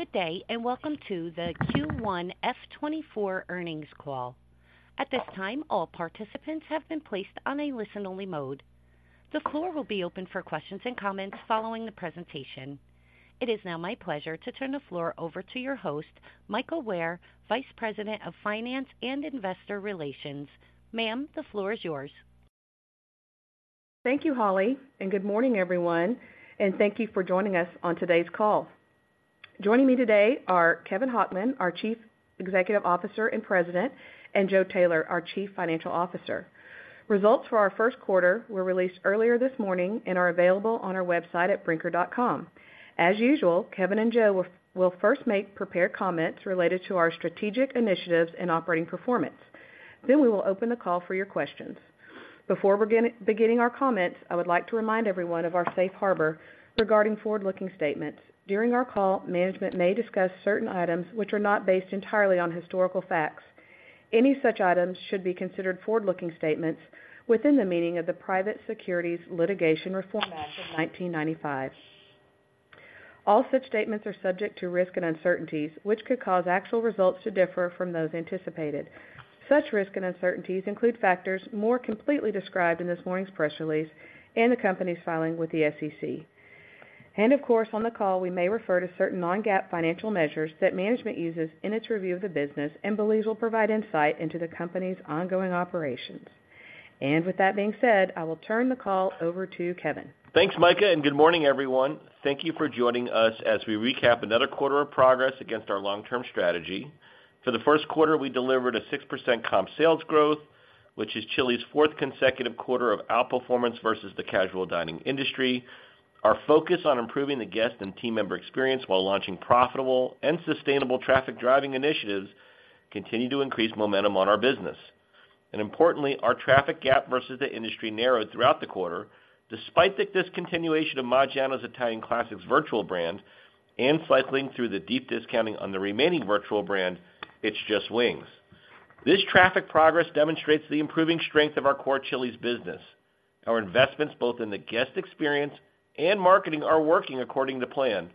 Good day, and welcome to the Q1 FY 2024 earnings call. At this time, all participants have been placed on a listen-only mode. The floor will be open for questions and comments following the presentation. It is now my pleasure to turn the floor over to your host, Mika Ware, Vice President of Finance and Investor Relations. Ma'am, the floor is yours. Thank you, Holly, and good morning, everyone, and thank you for joining us on today's call. Joining me today are Kevin Hochman, our Chief Executive Officer and President, and Joe Taylor, our Chief Financial Officer. Results for our first quarter were released earlier this morning and are available on our website at brinker.com. As usual, Kevin and Joe will first make prepared comments related to our strategic initiatives and operating performance. Then we will open the call for your questions. Before beginning our comments, I would like to remind everyone of our safe harbor regarding forward-looking statements. During our call, management may discuss certain items which are not based entirely on historical facts. Any such items should be considered forward-looking statements within the meaning of the Private Securities Litigation Reform Act of 1995. All such statements are subject to risk and uncertainties, which could cause actual results to differ from those anticipated. Such risk and uncertainties include factors more completely described in this morning's press release and the company's filing with the SEC. And of course, on the call, we may refer to certain non-GAAP financial measures that management uses in its review of the business and believes will provide insight into the company's ongoing operations. And with that being said, I will turn the call over to Kevin. Thanks, Mika, and good morning, everyone. Thank you for joining us as we recap another quarter of progress against our long-term strategy. For the first quarter, we delivered a 6% comp sales growth, which is Chili's fourth consecutive quarter of outperformance versus the casual dining industry. Our focus on improving the guest and team member experience while launching profitable and sustainable traffic-driving initiatives continue to increase momentum on our business. Importantly, our traffic gap versus the industry narrowed throughout the quarter, despite the discontinuation of Maggiano's Italian Classics virtual brand and cycling through the deep discounting on the remaining virtual brand, It's Just Wings. This traffic progress demonstrates the improving strength of our core Chili's business. Our investments, both in the guest experience and marketing, are working according to plan.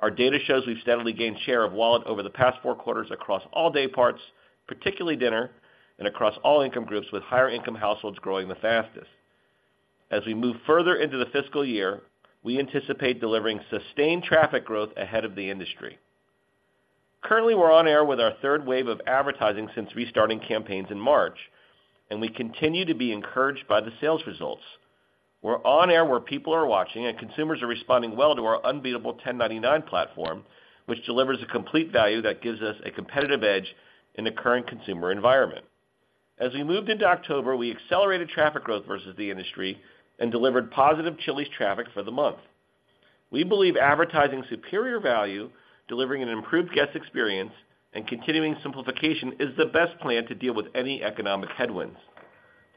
Our data shows we've steadily gained share of wallet over the past four quarters across all day parts, particularly dinner, and across all income groups, with higher income households growing the fastest. As we move further into the fiscal year, we anticipate delivering sustained traffic growth ahead of the industry. Currently, we're on air with our third wave of advertising since restarting campaigns in March, and we continue to be encouraged by the sales results. We're on air where people are watching, and consumers are responding well to our unbeatable $10.99 platform, which delivers a complete value that gives us a competitive edge in the current consumer environment. As we moved into October, we accelerated traffic growth versus the industry and delivered positive Chili's traffic for the month. We believe advertising superior value, delivering an improved guest experience, and continuing simplification is the best plan to deal with any economic headwinds.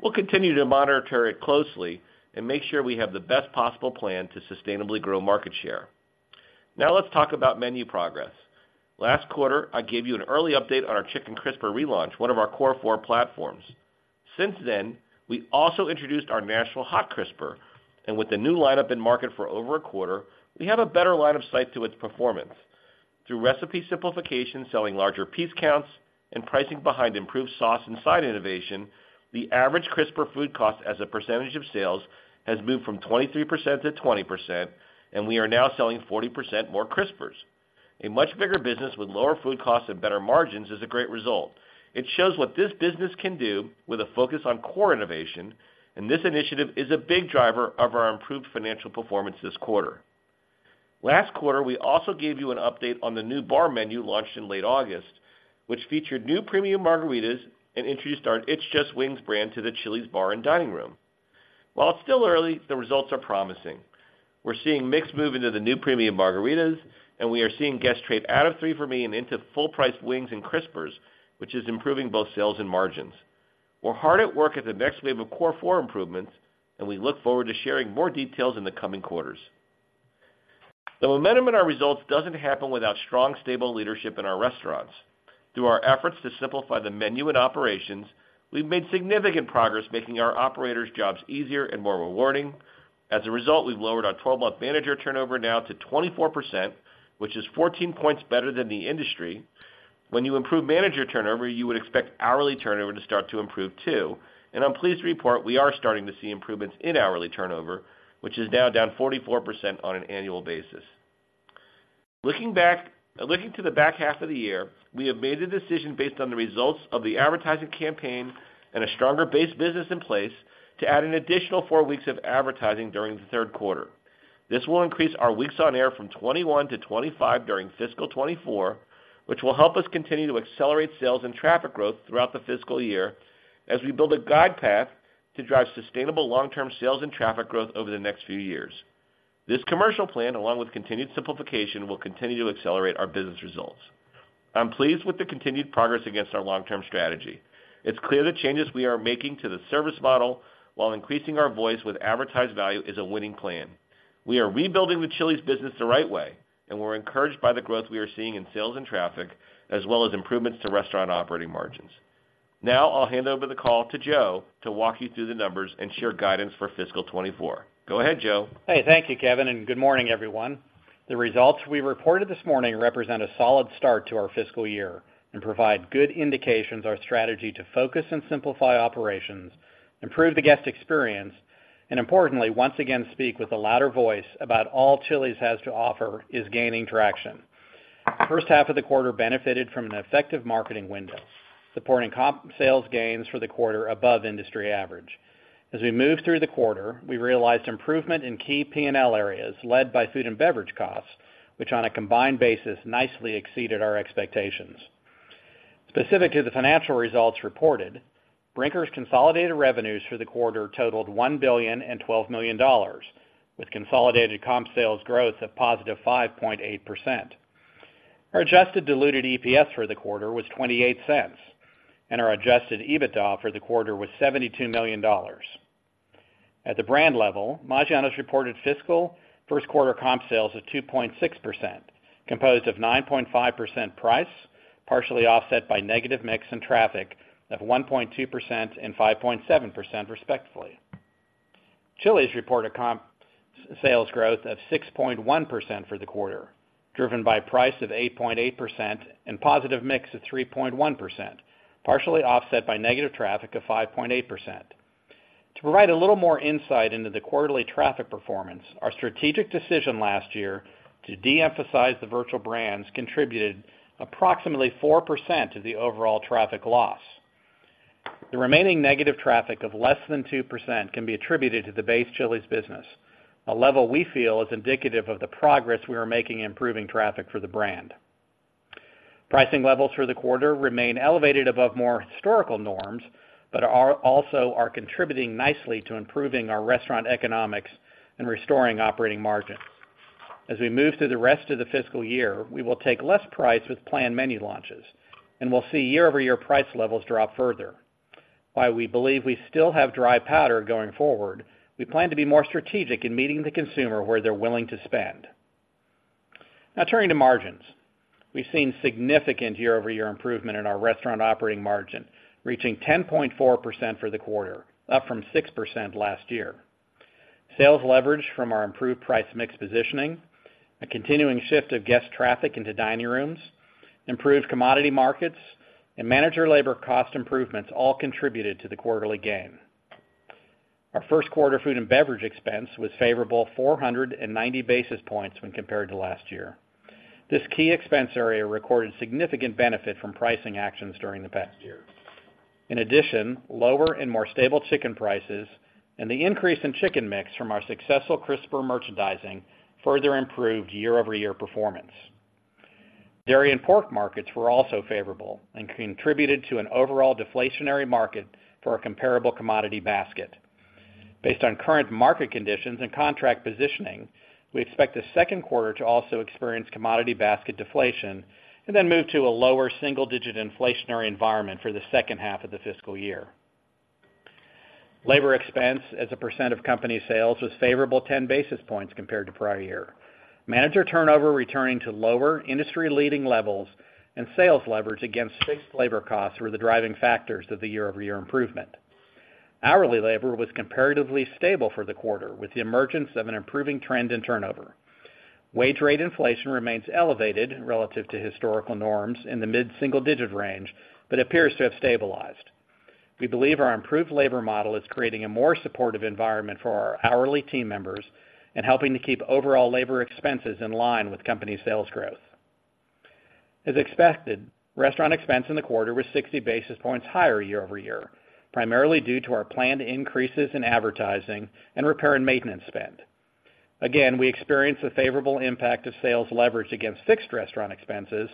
We'll continue to monitor it closely and make sure we have the best possible plan to sustainably grow market share. Now, let's talk about menu progress. Last quarter, I gave you an early update on our Chicken Crispers relaunch, one of our Core Four platforms. Since then, we also introduced our national Hot Crisper, and with the new lineup in market for over a quarter, we have a better line of sight to its performance. Through recipe simplification, selling larger piece counts, and pricing behind improved sauce and side innovation, the average Crispers food cost as a percentage of sales has moved from 23% to 20%, and we are now selling 40% more Crispers. A much bigger business with lower food costs and better margins is a great result. It shows what this business can do with a focus on core innovation, and this initiative is a big driver of our improved financial performance this quarter. Last quarter, we also gave you an update on the new bar menu launched in late August, which featured new premium margaritas and introduced our It's Just Wings brand to the Chili's bar and dining room. While it's still early, the results are promising. We're seeing mix move into the new premium margaritas, and we are seeing guests trade out of 3 For Me and into full-price wings and Crispers, which is improving both sales and margins. We're hard at work at the next wave of Core Four improvements, and we look forward to sharing more details in the coming quarters. The momentum in our results doesn't happen without strong, stable leadership in our restaurants. Through our efforts to simplify the menu and operations, we've made significant progress making our operators' jobs easier and more rewarding. As a result, we've lowered our 12-month manager turnover now to 24%, which is 14 points better than the industry. When you improve manager turnover, you would expect hourly turnover to start to improve, too. And I'm pleased to report we are starting to see improvements in hourly turnover, which is now down 44% on an annual basis. Looking to the back half of the year, we have made the decision based on the results of the advertising campaign and a stronger base business in place, to add an additional four weeks of advertising during the third quarter. This will increase our weeks on air from 21 to 25 during fiscal 2024, which will help us continue to accelerate sales and traffic growth throughout the fiscal year as we build a guide path to drive sustainable long-term sales and traffic growth over the next few years. This commercial plan, along with continued simplification, will continue to accelerate our business results. I'm pleased with the continued progress against our long-term strategy. It's clear the changes we are making to the service model, while increasing our voice with advertised value, is a winning plan. We are rebuilding the Chili's business the right way, and we're encouraged by the growth we are seeing in sales and traffic, as well as improvements to restaurant operating margins. Now I'll hand over the call to Joe to walk you through the numbers and share guidance for fiscal 2024. Go ahead, Joe. Hey, thank you, Kevin, and good morning, everyone. The results we reported this morning represent a solid start to our fiscal year and provide good indications our strategy to focus and simplify operations, improve the guest experience, and importantly, once again, speak with a louder voice about all Chili's has to offer is gaining traction. First half of the quarter benefited from an effective marketing window, supporting comp sales gains for the quarter above industry average. As we moved through the quarter, we realized improvement in key P&L areas, led by food and beverage costs, which on a combined basis nicely exceeded our expectations. Specific to the financial results reported, Brinker's consolidated revenues for the quarter totaled $1.012 billion, with consolidated comp sales growth of +5.8%. Our Adjusted Diluted EPS for the quarter was $0.28, and our Adjusted EBITDA for the quarter was $72 million. At the brand level, Maggiano's reported fiscal first quarter comp sales of 2.6%, composed of 9.5% price, partially offset by negative mix in traffic of 1.2% and 5.7%, respectively. Chili's reported comp sales growth of 6.1% for the quarter, driven by price of 8.8% and positive mix of 3.1%, partially offset by negative traffic of 5.8%. To provide a little more insight into the quarterly traffic performance, our strategic decision last year to de-emphasize the virtual brands contributed approximately 4% of the overall traffic loss. The remaining negative traffic of less than 2% can be attributed to the base Chili's business, a level we feel is indicative of the progress we are making in improving traffic for the brand. Pricing levels for the quarter remain elevated above more historical norms, but are also contributing nicely to improving our restaurant economics and restoring operating margins. As we move through the rest of the fiscal year, we will take less price with planned menu launches, and we'll see year-over-year price levels drop further. While we believe we still have dry powder going forward, we plan to be more strategic in meeting the consumer where they're willing to spend. Now, turning to margins. We've seen significant year-over-year improvement in our restaurant operating margin, reaching 10.4% for the quarter, up from 6% last year. Sales leverage from our improved price mix positioning, a continuing shift of guest traffic into dining rooms, improved commodity markets, and manager labor cost improvements all contributed to the quarterly gain. Our first quarter food and beverage expense was favorable 490 basis points when compared to last year. This key expense area recorded significant benefit from pricing actions during the past year. In addition, lower and more stable chicken prices and the increase in chicken mix from our successful crisper merchandising further improved year-over-year performance. Dairy and pork markets were also favorable and contributed to an overall deflationary market for our comparable commodity basket. Based on current market conditions and contract positioning, we expect the second quarter to also experience commodity basket deflation and then move to a lower single-digit inflationary environment for the second half of the fiscal year. Labor expense as a percent of company sales was favorable 10 basis points compared to prior year. Manager turnover returning to lower industry-leading levels and sales leverage against fixed labor costs were the driving factors of the year-over-year improvement. Hourly labor was comparatively stable for the quarter, with the emergence of an improving trend in turnover. Wage rate inflation remains elevated relative to historical norms in the mid-single digit range, but appears to have stabilized. We believe our improved labor model is creating a more supportive environment for our hourly team members and helping to keep overall labor expenses in line with company sales growth. As expected, restaurant expense in the quarter was 60 basis points higher year-over-year, primarily due to our planned increases in advertising and repair and maintenance spend. Again, we experienced a favorable impact of sales leverage against fixed restaurant expenses,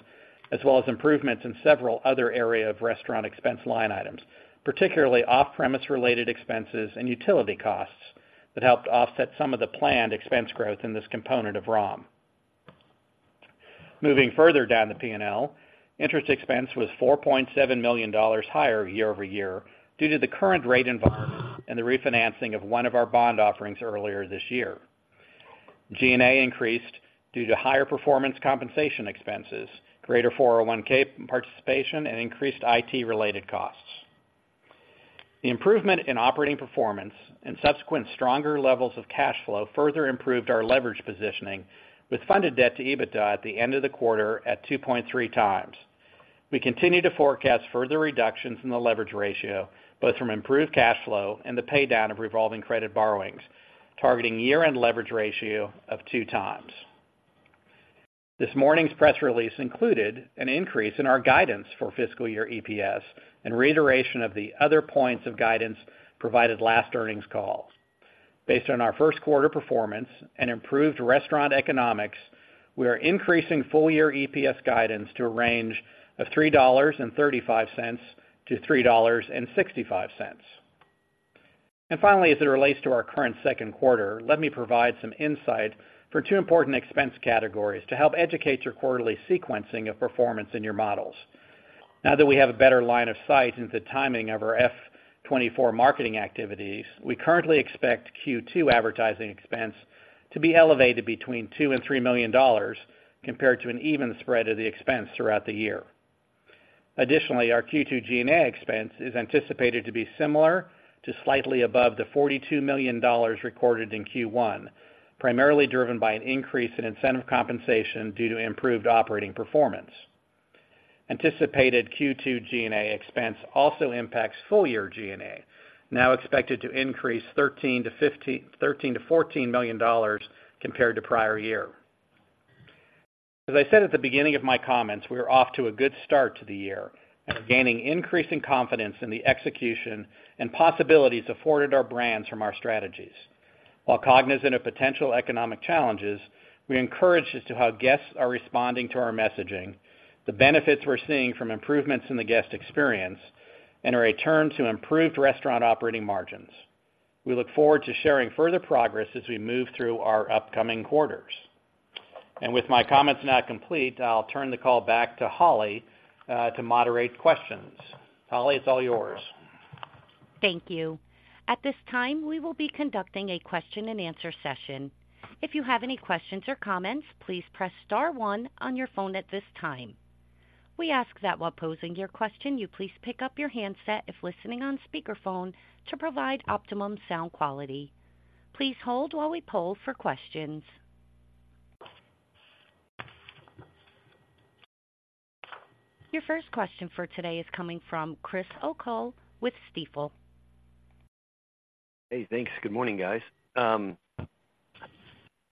as well as improvements in several other areas of restaurant expense line items, particularly off-premise-related expenses and utility costs, that helped offset some of the planned expense growth in this component of ROM. Moving further down the P&L, interest expense was $4.7 million higher year-over-year due to the current rate environment and the refinancing of one of our bond offerings earlier this year. G&A increased due to higher performance compensation expenses, greater 401(k) participation, and increased IT-related costs. The improvement in operating performance and subsequent stronger levels of cash flow further improved our leverage positioning with funded debt to EBITDA at the end of the quarter at 2.3x. We continue to forecast further reductions in the leverage ratio, both from improved cash flow and the paydown of revolving credit borrowings, targeting year-end leverage ratio of 2x. This morning's press release included an increase in our guidance for fiscal year EPS and reiteration of the other points of guidance provided last earnings call. Based on our first quarter performance and improved restaurant economics, we are increasing full-year EPS guidance to a range of $3.35-$3.65. And finally, as it relates to our current second quarter, let me provide some insight for two important expense categories to help educate your quarterly sequencing of performance in your models. Now that we have a better line of sight into the timing of our F-... 2024 marketing activities, we currently expect Q2 advertising expense to be elevated between $2 million and $3 million compared to an even spread of the expense throughout the year. Additionally, our Q2 G&A expense is anticipated to be similar to slightly above $42 million recorded in Q1, primarily driven by an increase in incentive compensation due to improved operating performance. Anticipated Q2 G&A expense also impacts full year G&A, now expected to increase $13 million to $15 million-- $13 million to $14 million compared to prior year. As I said at the beginning of my comments, we are off to a good start to the year and are gaining increasing confidence in the execution and possibilities afforded our brands from our strategies. While cognizant of potential economic challenges, we encouraged as to how guests are responding to our messaging, the benefits we're seeing from improvements in the guest experience, and a return to improved restaurant operating margins. We look forward to sharing further progress as we move through our upcoming quarters. With my comments now complete, I'll turn the call back to Holly, to moderate questions. Holly, it's all yours. Thank you. At this time, we will be conducting a question-and-answer session. If you have any questions or comments, please press star one on your phone at this time. We ask that while posing your question, you please pick up your handset if listening on speakerphone, to provide optimum sound quality. Please hold while we poll for questions. Your first question for today is coming from Chris O'Cull with Stifel. Hey, thanks. Good morning, guys. I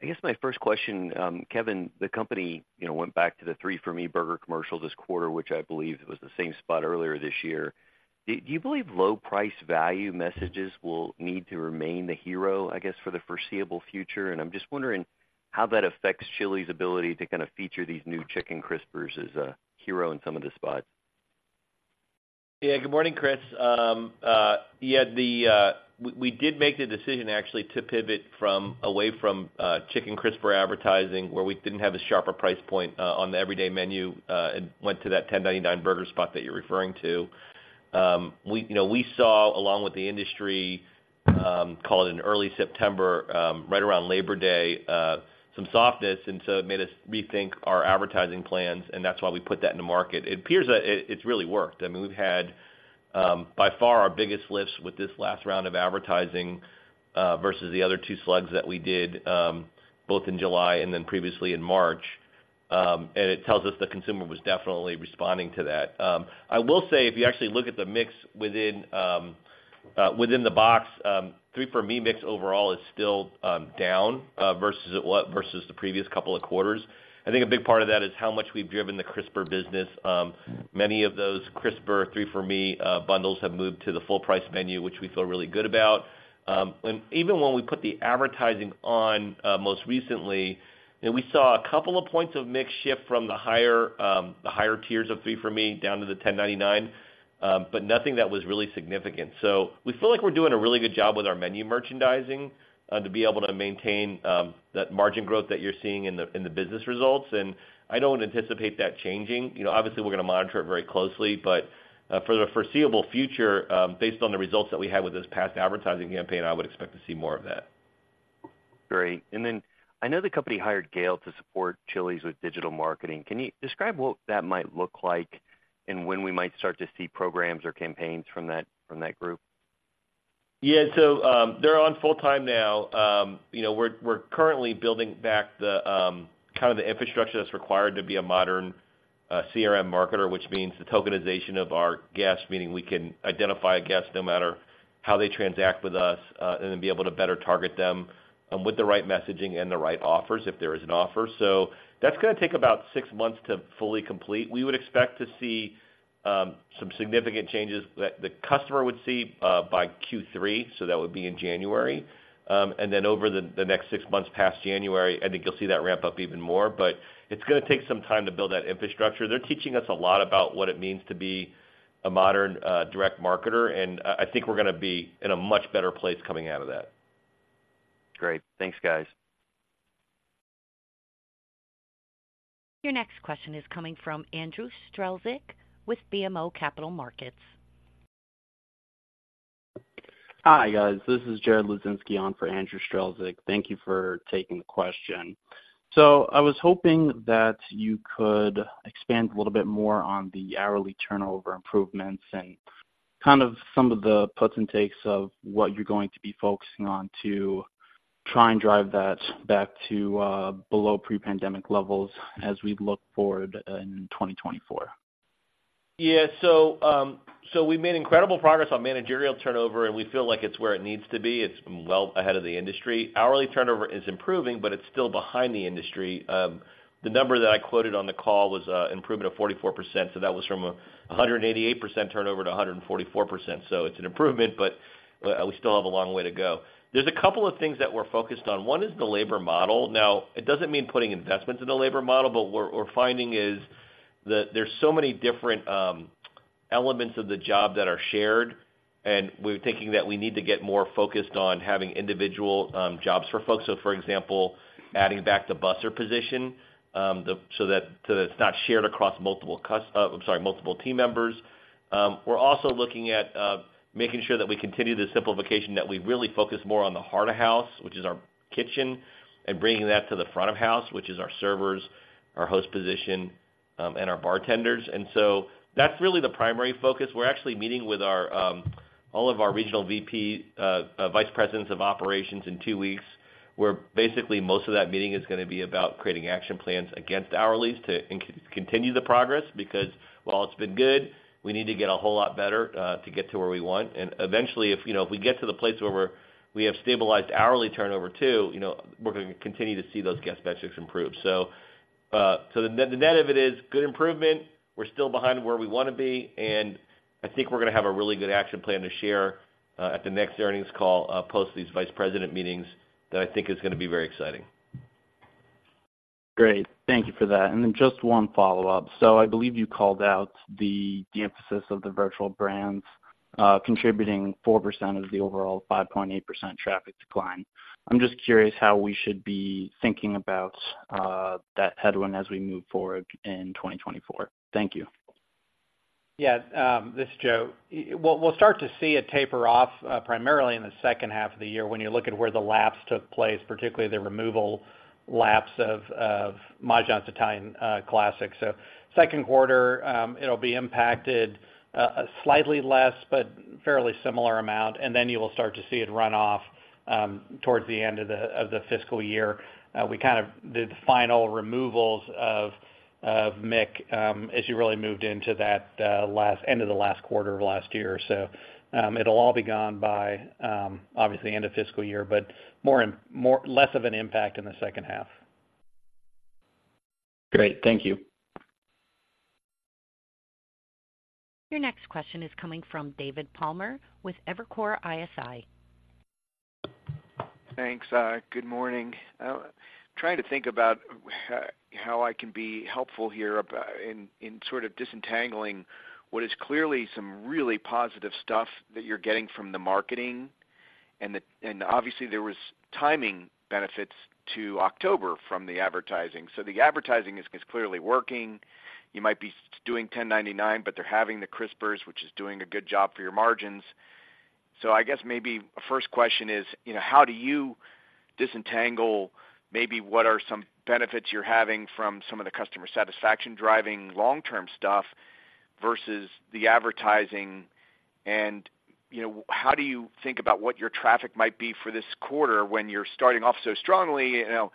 guess my first question, Kevin, the company, you know, went back to the 3 For Me burger commercial this quarter, which I believe was the same spot earlier this year. Do you believe low price value messages will need to remain the hero, I guess, for the foreseeable future? And I'm just wondering how that affects Chili's ability to kind of feature these new Chicken Crispers as a hero in some of the spots. Yeah. Good morning, Chris. Yeah, we did make the decision actually to pivot from away from Chicken Crisper advertising, where we didn't have a sharper price point on the everyday menu, and went to that $10.99 burger spot that you're referring to. We, you know, we saw, along with the industry, call it in early September, right around Labor Day, some softness, and so it made us rethink our advertising plans, and that's why we put that in the market. It appears that it, it's really worked. I mean, we've had by far our biggest lifts with this last round of advertising versus the other two slugs that we did both in July and then previously in March. And it tells us the consumer was definitely responding to that. I will say, if you actually look at the mix within the box, 3 For Me mix overall is still down versus the previous couple of quarters. I think a big part of that is how much we've driven the crisper business. Many of those crisper 3 For Me bundles have moved to the full price menu, which we feel really good about. And even when we put the advertising on most recently, and we saw a couple of points of mix shift from the higher tiers of 3 For Me down to the $10.99, but nothing that was really significant. So we feel like we're doing a really good job with our menu merchandising to be able to maintain that margin growth that you're seeing in the business results, and I don't anticipate that changing. You know, obviously, we're going to monitor it very closely, but for the foreseeable future, based on the results that we had with this past advertising campaign, I would expect to see more of that. Great. And then, I know the company hired GALE to support Chili's with digital marketing. Can you describe what that might look like and when we might start to see programs or campaigns from that, from that group? Yeah. So, they're on full-time now. You know, we're currently building back the kind of the infrastructure that's required to be a modern CRM marketer, which means the tokenization of our guests, meaning we can identify a guest no matter how they transact with us, and then be able to better target them with the right messaging and the right offers, if there is an offer. So that's gonna take about six months to fully complete. We would expect to see some significant changes that the customer would see by Q3, so that would be in January. And then over the next six months, past January, I think you'll see that ramp up even more. But it's gonna take some time to build that infrastructure. They're teaching us a lot about what it means to be a modern, direct marketer, and I think we're gonna be in a much better place coming out of that. Great. Thanks, guys. Your next question is coming from Andrew Strelzik with BMO Capital Markets. Hi, guys. This is Jared Luzinski on for Andrew Strelzik. Thank you for taking the question. So I was hoping that you could expand a little bit more on the hourly turnover improvements and kind of some of the puts and takes of what you're going to be focusing on to try and drive that back to below pre-pandemic levels as we look forward in 2024. Yeah. So, so we've made incredible progress on managerial turnover, and we feel like it's where it needs to be. It's well ahead of the industry. Hourly turnover is improving, but it's still behind the industry. The number that I quoted on the call was, improvement of 44%, so that was from 188% turnover to 144%. So it's an improvement, but, we still have a long way to go. There's a couple of things that we're focused on. One is the labor model. Now, it doesn't mean putting investment in the labor model, but what we're, we're finding is that there's so many different, elements of the job that are shared, and we're thinking that we need to get more focused on having individual, jobs for folks. So for example, adding back the busser position, so that it's not shared across multiple team members. We're also looking at making sure that we continue the simplification, that we really focus more on the heart of house, which is our kitchen, and bringing that to the front of house, which is our servers, our host position, and our bartenders. So that's really the primary focus. We're actually meeting with all of our regional vice presidents of operations in two weeks, where basically, most of that meeting is going to be about creating action plans against hourlies to continue the progress, because while it's been good, we need to get a whole lot better to get to where we want. Eventually, if, you know, if we get to the place where we have stabilized hourly turnover too, you know, we're going to continue to see those guest metrics improve. So, the net of it is good improvement. We're still behind where we want to be, and I think we're going to have a really good action plan to share at the next earnings call, post these vice president meetings, that I think is going to be very exciting. Great. Thank you for that. And then just one follow-up. So I believe you called out the emphasis of the virtual brands, contributing 4% of the overall 5.8% traffic decline. I'm just curious how we should be thinking about that headwind as we move forward in 2024. Thank you. Yeah, this is Joe. We'll start to see it taper off primarily in the second half of the year, when you look at where the lapse took place, particularly the removal lapse of Maggiano's Italian Classics. So second quarter, it'll be impacted slightly less, but fairly similar amount, and then you will start to see it run off towards the end of the fiscal year. We kind of did the final removals of MIC as you really moved into that last end of the last quarter of last year. So, it'll all be gone by obviously end of fiscal year, but more and more less of an impact in the second half. Great. Thank you. Your next question is coming from David Palmer with Evercore ISI. Thanks. Good morning. Trying to think about how I can be helpful here, in sort of disentangling what is clearly some really positive stuff that you're getting from the marketing, and the. And obviously, there was timing benefits to October from the advertising. So the advertising is clearly working. You might be doing $10.99, but they're having the crispers, which is doing a good job for your margins. So I guess maybe a first question is, you know, how do you disentangle maybe what are some benefits you're having from some of the customer satisfaction, driving long-term stuff versus the advertising? And, you know, how do you think about what your traffic might be for this quarter when you're starting off so strongly? You know,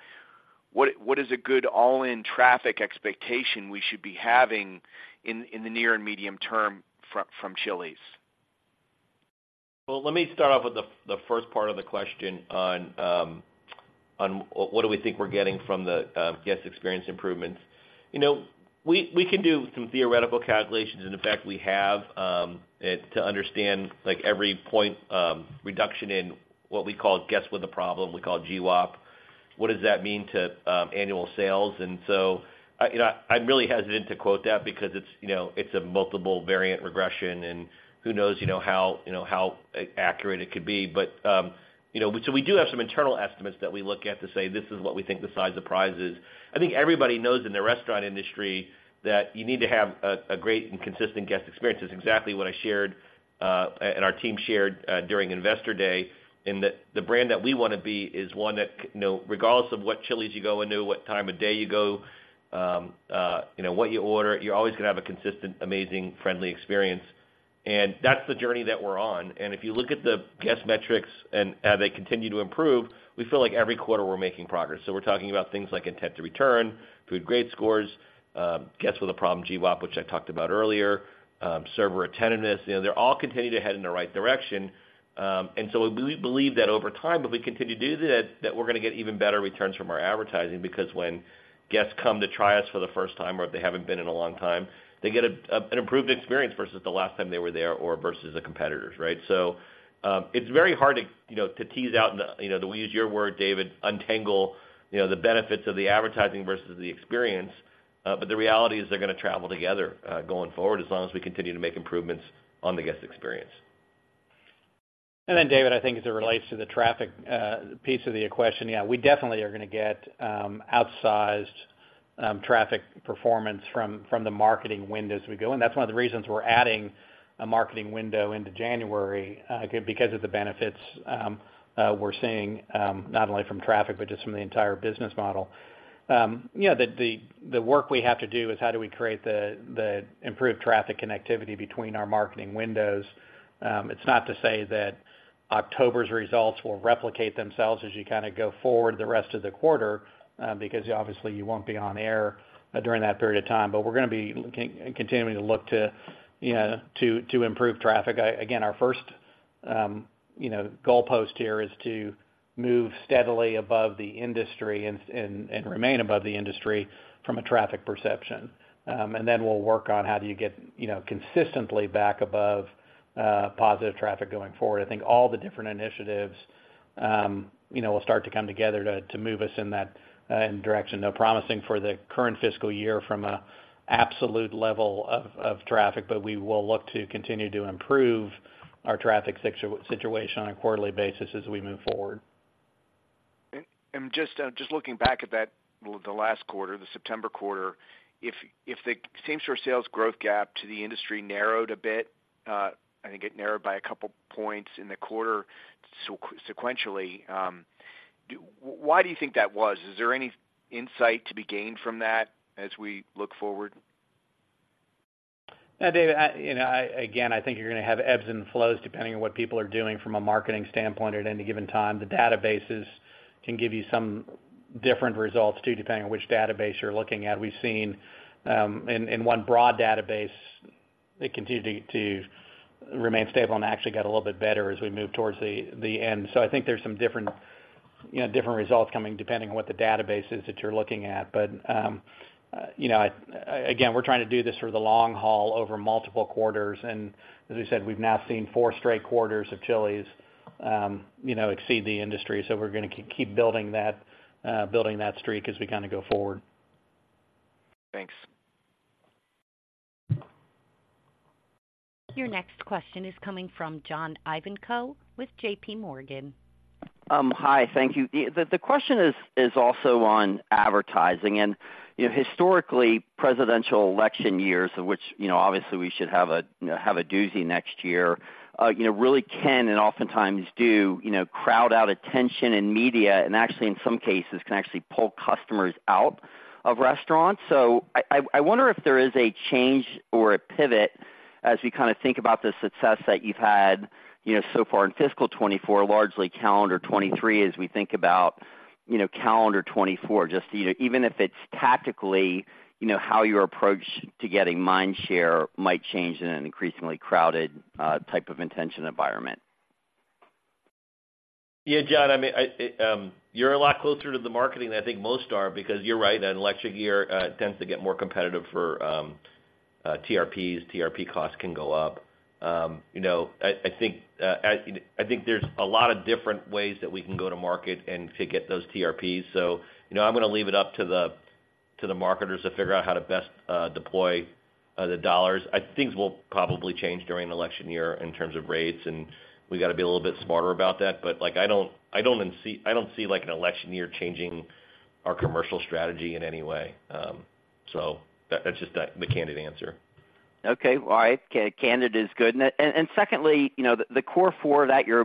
what is a good all-in traffic expectation we should be having in the near and medium term from Chili's? Well, let me start off with the first part of the question on what do we think we're getting from the guest experience improvements. You know, we can do some theoretical calculations, and in fact, we have, and to understand, like, every point reduction in what we call guests with a problem, we call GWAP, what does that mean to annual sales? And so, I, you know, I'm really hesitant to quote that because it's, you know, it's a multivariate regression, and who knows, you know, how, you know, how accurate it could be. But, you know, so we do have some internal estimates that we look at to say, this is what we think the size of prize is. I think everybody knows in the restaurant industry, that you need to have a great and consistent guest experience. That's exactly what I shared, and our team shared, during Investor Day, and that the brand that we want to be is one that, you know, regardless of what Chili's you go into, what time of day you go, you know, what you order, you're always going to have a consistent, amazing, friendly experience. And that's the journey that we're on. And if you look at the guest metrics and how they continue to improve, we feel like every quarter we're making progress. So we're talking about things like intent to return, food grade scores, guests with a problem, GWAP, which I talked about earlier, server attentiveness. You know, they're all continuing to head in the right direction. And so we believe that over time, if we continue to do that, that we're going to get even better returns from our advertising because when guests come to try us for the first time or if they haven't been in a long time, they get an improved experience versus the last time they were there or versus the competitors, right? So, it's very hard to, you know, to tease out, you know, to use your word, David, untangle, you know, the benefits of the advertising versus the experience. But the reality is they're going to travel together, going forward, as long as we continue to make improvements on the guest experience. And then, David, I think as it relates to the traffic piece of the question, yeah, we definitely are going to get outsized traffic performance from the marketing window as we go in. That's one of the reasons we're adding a marketing window into January because of the benefits we're seeing not only from traffic, but just from the entire business model. Yeah, the work we have to do is how do we create the improved traffic connectivity between our marketing windows? It's not to say that October's results will replicate themselves as you kind of go forward the rest of the quarter because obviously, you won't be on air during that period of time. But we're going to be looking continuing to look to, you know, to improve traffic. Again, our first, you know, goalpost here is to move steadily above the industry and, and, and remain above the industry from a traffic perception. And then we'll work on how do you get, you know, consistently back above positive traffic going forward. I think all the different initiatives, you know, will start to come together to move us in that direction. Not promising for the current fiscal year from an absolute level of traffic, but we will look to continue to improve our traffic situation on a quarterly basis as we move forward.... And just looking back at that, well, the last quarter, the September quarter, if the same-store sales growth gap to the industry narrowed a bit, I think it narrowed by a couple points in the quarter, so sequentially, why do you think that was? Is there any insight to be gained from that as we look forward? Yeah, David, you know, again, I think you're gonna have ebbs and flows depending on what people are doing from a marketing standpoint at any given time. The databases can give you some different results, too, depending on which database you're looking at. We've seen in one broad database, it continued to remain stable and actually got a little bit better as we moved towards the end. So I think there's some different, you know, different results coming, depending on what the database is that you're looking at. But, you know, again, we're trying to do this for the long haul over multiple quarters, and as I said, we've now seen four straight quarters of Chili's, you know, exceed the industry. So we're gonna keep building that streak as we kind of go forward. Thanks. Your next question is coming from John Ivanko with JPMorgan. Hi, thank you. The question is also on advertising. And, you know, historically, presidential election years, of which, you know, obviously, we should have a doozy next year, you know, really can and oftentimes do, you know, crowd out attention in media, and actually, in some cases, can actually pull customers out of restaurants. So I wonder if there is a change or a pivot as we kind of think about the success that you've had, you know, so far in fiscal 2024, largely calendar 2023, as we think about, you know, calendar 2024. Just, you know, even if it's tactically, you know, how your approach to getting mind share might change in an increasingly crowded type of intention environment. Yeah, John, I mean, you're a lot closer to the marketing than I think most are, because you're right, an election year tends to get more competitive for TRPs. TRP costs can go up. You know, I think there's a lot of different ways that we can go-to-market and to get those TRPs. So, you know, I'm gonna leave it up to the marketers to figure out how to best deploy the dollars. I think we'll probably change during an election year in terms of rates, and we've got to be a little bit smarter about that. But, like, I don't even see-- I don't see, like, an election year changing our commercial strategy in any way. So that's just the candid answer. Okay. All right. Candid is good. And secondly, you know, the Core Four that you're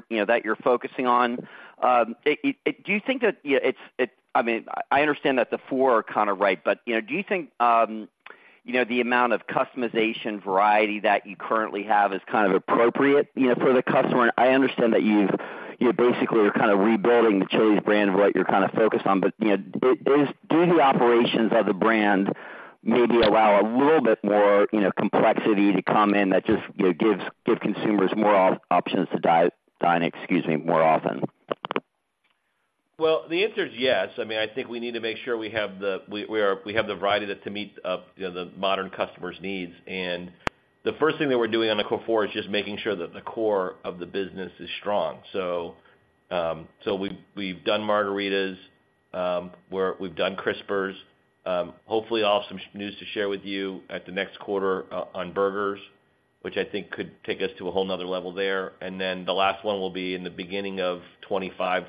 focusing on, you know, do you think that, you know, it's... I mean, I understand that the four are kind of right. But, you know, do you think, you know, the amount of customization variety that you currently have is kind of appropriate, you know, for the customer? I understand that you've basically are kind of rebuilding the Chili's brand of what you're kind of focused on, but, you know, do the operations of the brand maybe allow a little bit more, you know, complexity to come in that just, you know, gives consumers more options to dine, excuse me, more often? Well, the answer is yes. I mean, I think we need to make sure we have the variety to meet, you know, the modern customer's needs. And the first thing that we're doing on the Core Four is just making sure that the core of the business is strong. So, we've done margaritas, we're done crispers. Hopefully, I'll have some news to share with you at the next quarter on burgers, which I think could take us to a whole another level there. And then the last one will be in the beginning of 2025,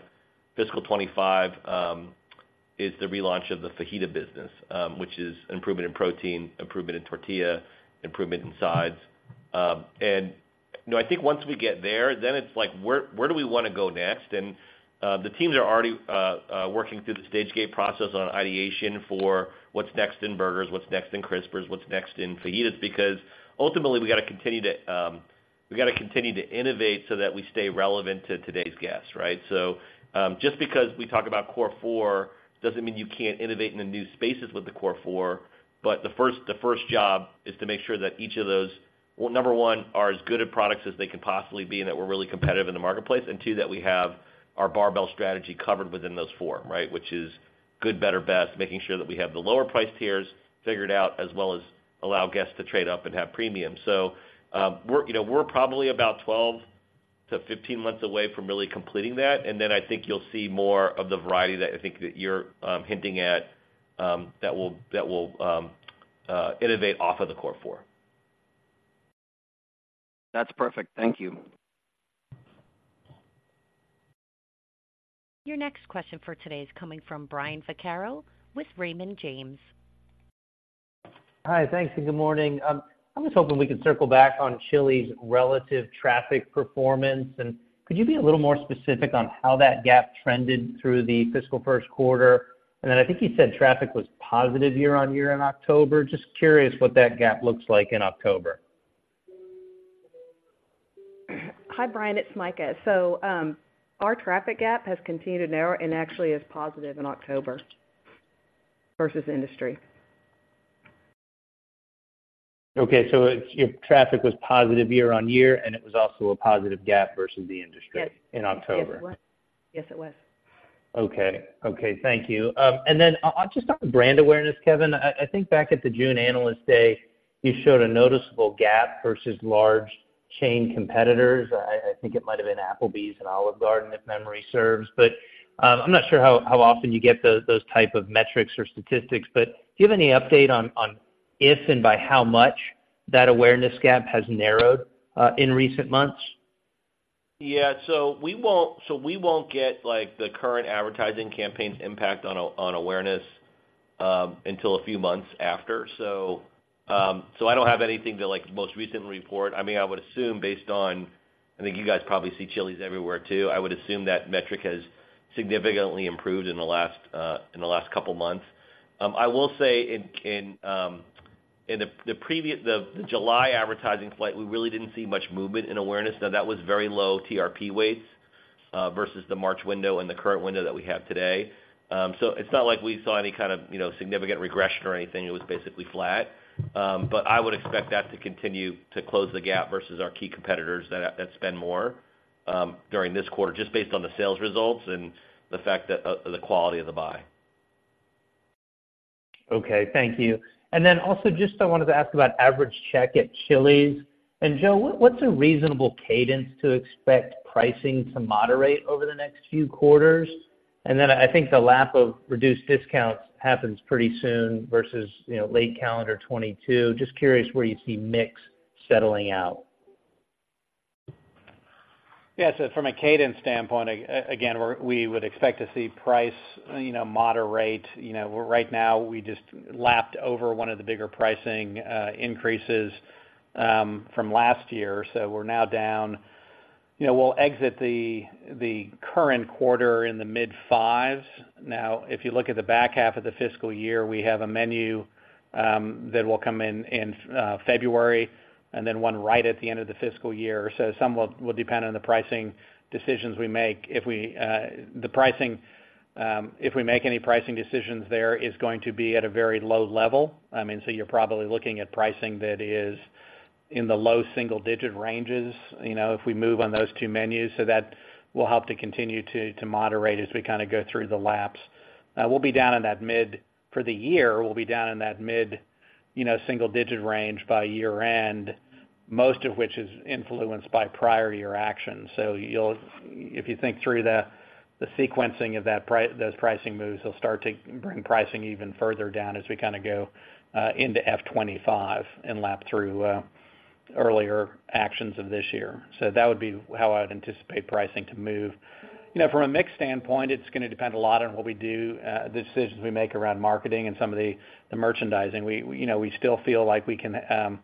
fiscal 2025, is the relaunch of the fajita business, which is improvement in protein, improvement in tortilla, improvement in sides. And, you know, I think once we get there, then it's like: Where, where do we want to go next? And the teams are already working through the Stage Gate Process on ideation for what's next in burgers, what's next in crispers, what's next in fajitas. Because ultimately, we got to continue to, we got to continue to innovate so that we stay relevant to today's guests, right? So, just because we talk about Core Four, doesn't mean you can't innovate in the new spaces with the Core Four. But the first, the first job is to make sure that each of those, well, number one, are as good at products as they can possibly be, and that we're really competitive in the marketplace. And two, that we have our Barbell Strategy covered within those four, right? Which is good, better, best. Making sure that we have the lower priced tiers figured out, as well as allow guests to trade up and have premium. So, we're, you know, we're probably about 12-15 months away from really completing that. And then I think you'll see more of the variety that I think that you're hinting at, that will, that will, innovate off of the Core Four. That's perfect. Thank you. Your next question for today is coming from Brian Vaccaro with Raymond James. Hi, thanks, and good morning. I was hoping we could circle back on Chili's relative traffic performance. And could you be a little more specific on how that gap trended through the fiscal first quarter? And then I think you said traffic was positive year-over-year in October. Just curious what that gap looks like in October. Hi, Brian, it's Mika. So, our traffic gap has continued to narrow and actually is positive in October versus industry. Okay, so your traffic was positive year-over-year, and it was also a positive gap versus the industry. Yes. in October? Yes, it was. Okay. Okay, thank you. And then, just on the brand awareness, Kevin, I, I think back at the June Analyst Day, you showed a noticeable gap versus large chain competitors. I, I think it might have been Applebee's and Olive Garden, if memory serves. But, I'm not sure how, how often you get those, those type of metrics or statistics, but do you have any update on, on if and by how much?... that awareness gap has narrowed, in recent months? Yeah, so we won't get, like, the current advertising campaign's impact on awareness until a few months after. So, I don't have anything to, like, most recently report. I mean, I would assume based on, I think you guys probably see Chili's everywhere too. I would assume that metric has significantly improved in the last couple of months. I will say in the previous – the July advertising flight, we really didn't see much movement in awareness. Now, that was very low TRP weights versus the March window and the current window that we have today. So, it's not like we saw any kind of, you know, significant regression or anything. It was basically flat. But I would expect that to continue to close the gap versus our key competitors that spend more during this quarter, just based on the sales results and the fact that the quality of the buy. Okay, thank you. And then also, just I wanted to ask about average check at Chili's. And Joe, what, what's a reasonable cadence to expect pricing to moderate over the next few quarters? And then I think the lap of reduced discounts happens pretty soon versus, you know, versus late calendar 2022. Just curious where you see mix settling out? Yeah, so from a cadence standpoint, again, we're, we would expect to see price, you know, moderate. You know, right now, we just lapped over one of the bigger pricing, increases, from last year. So we're now down... You know, we'll exit the current quarter in the mid-fives. Now, if you look at the back half of the fiscal year, we have a menu that will come in February, and then one right at the end of the fiscal year. So some will depend on the pricing decisions we make. If we, the pricing, if we make any pricing decisions there, is going to be at a very low level. I mean, so you're probably looking at pricing that is in the low single-digit ranges, you know, if we move on those two menus. So that will help to continue to moderate as we kind of go through the laps. We'll be down in that mid—for the year, we'll be down in that mid, you know, single digit range by year-end, most of which is influenced by prior year actions. So you'll, if you think through the, the sequencing of that those pricing moves, they'll start to bring pricing even further down as we kind of go into FY 2025 and lap through earlier actions of this year. So that would be how I'd anticipate pricing to move. You know, from a mix standpoint, it's going to depend a lot on what we do, the decisions we make around marketing and some of the, the merchandising. We, you know, we still feel like we can,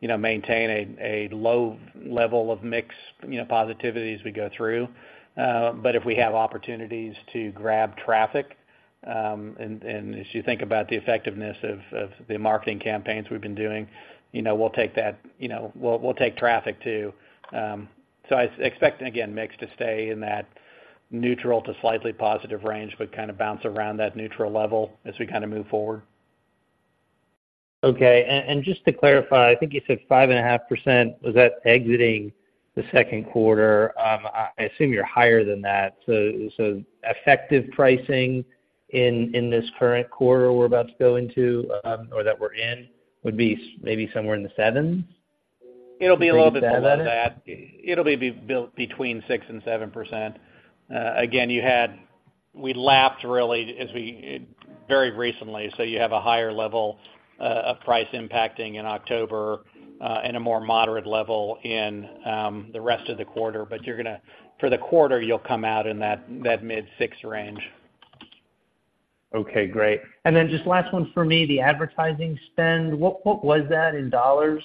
you know, maintain a low level of mix, you know, positivity as we go through. But if we have opportunities to grab traffic, and as you think about the effectiveness of the marketing campaigns we've been doing, you know, we'll take that, you know, we'll take traffic, too. So I expect, again, mix to stay in that neutral to slightly positive range, but kind of bounce around that neutral level as we kind of move forward. Okay. And just to clarify, I think you said 5.5%. Was that exiting the second quarter? I assume you're higher than that. So effective pricing in this current quarter we're about to go into, or that we're in, would be maybe somewhere in the sevens? It'll be a little bit below that. It'll be between 6% and 7%. Again, we lapped really as we very recently, so you have a higher level of price impacting in October, and a more moderate level in the rest of the quarter. But you're gonna, for the quarter, you'll come out in that mid-six range. Okay, great. And then just last one for me, the advertising spend. What was that in dollars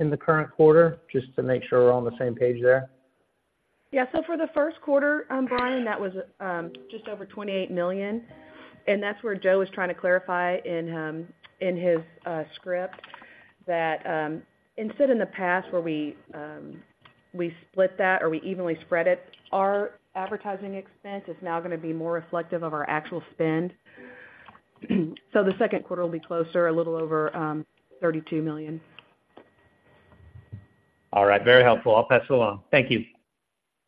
in the current quarter? Just to make sure we're on the same page there. Yeah. So for the first quarter, Brian, that was just over $28 million, and that's where Joe was trying to clarify in his script, that instead in the past where we split that or we evenly spread it, our advertising expense is now gonna be more reflective of our actual spend. So the second quarter will be closer, a little over $32 million. All right. Very helpful. I'll pass it along. Thank you.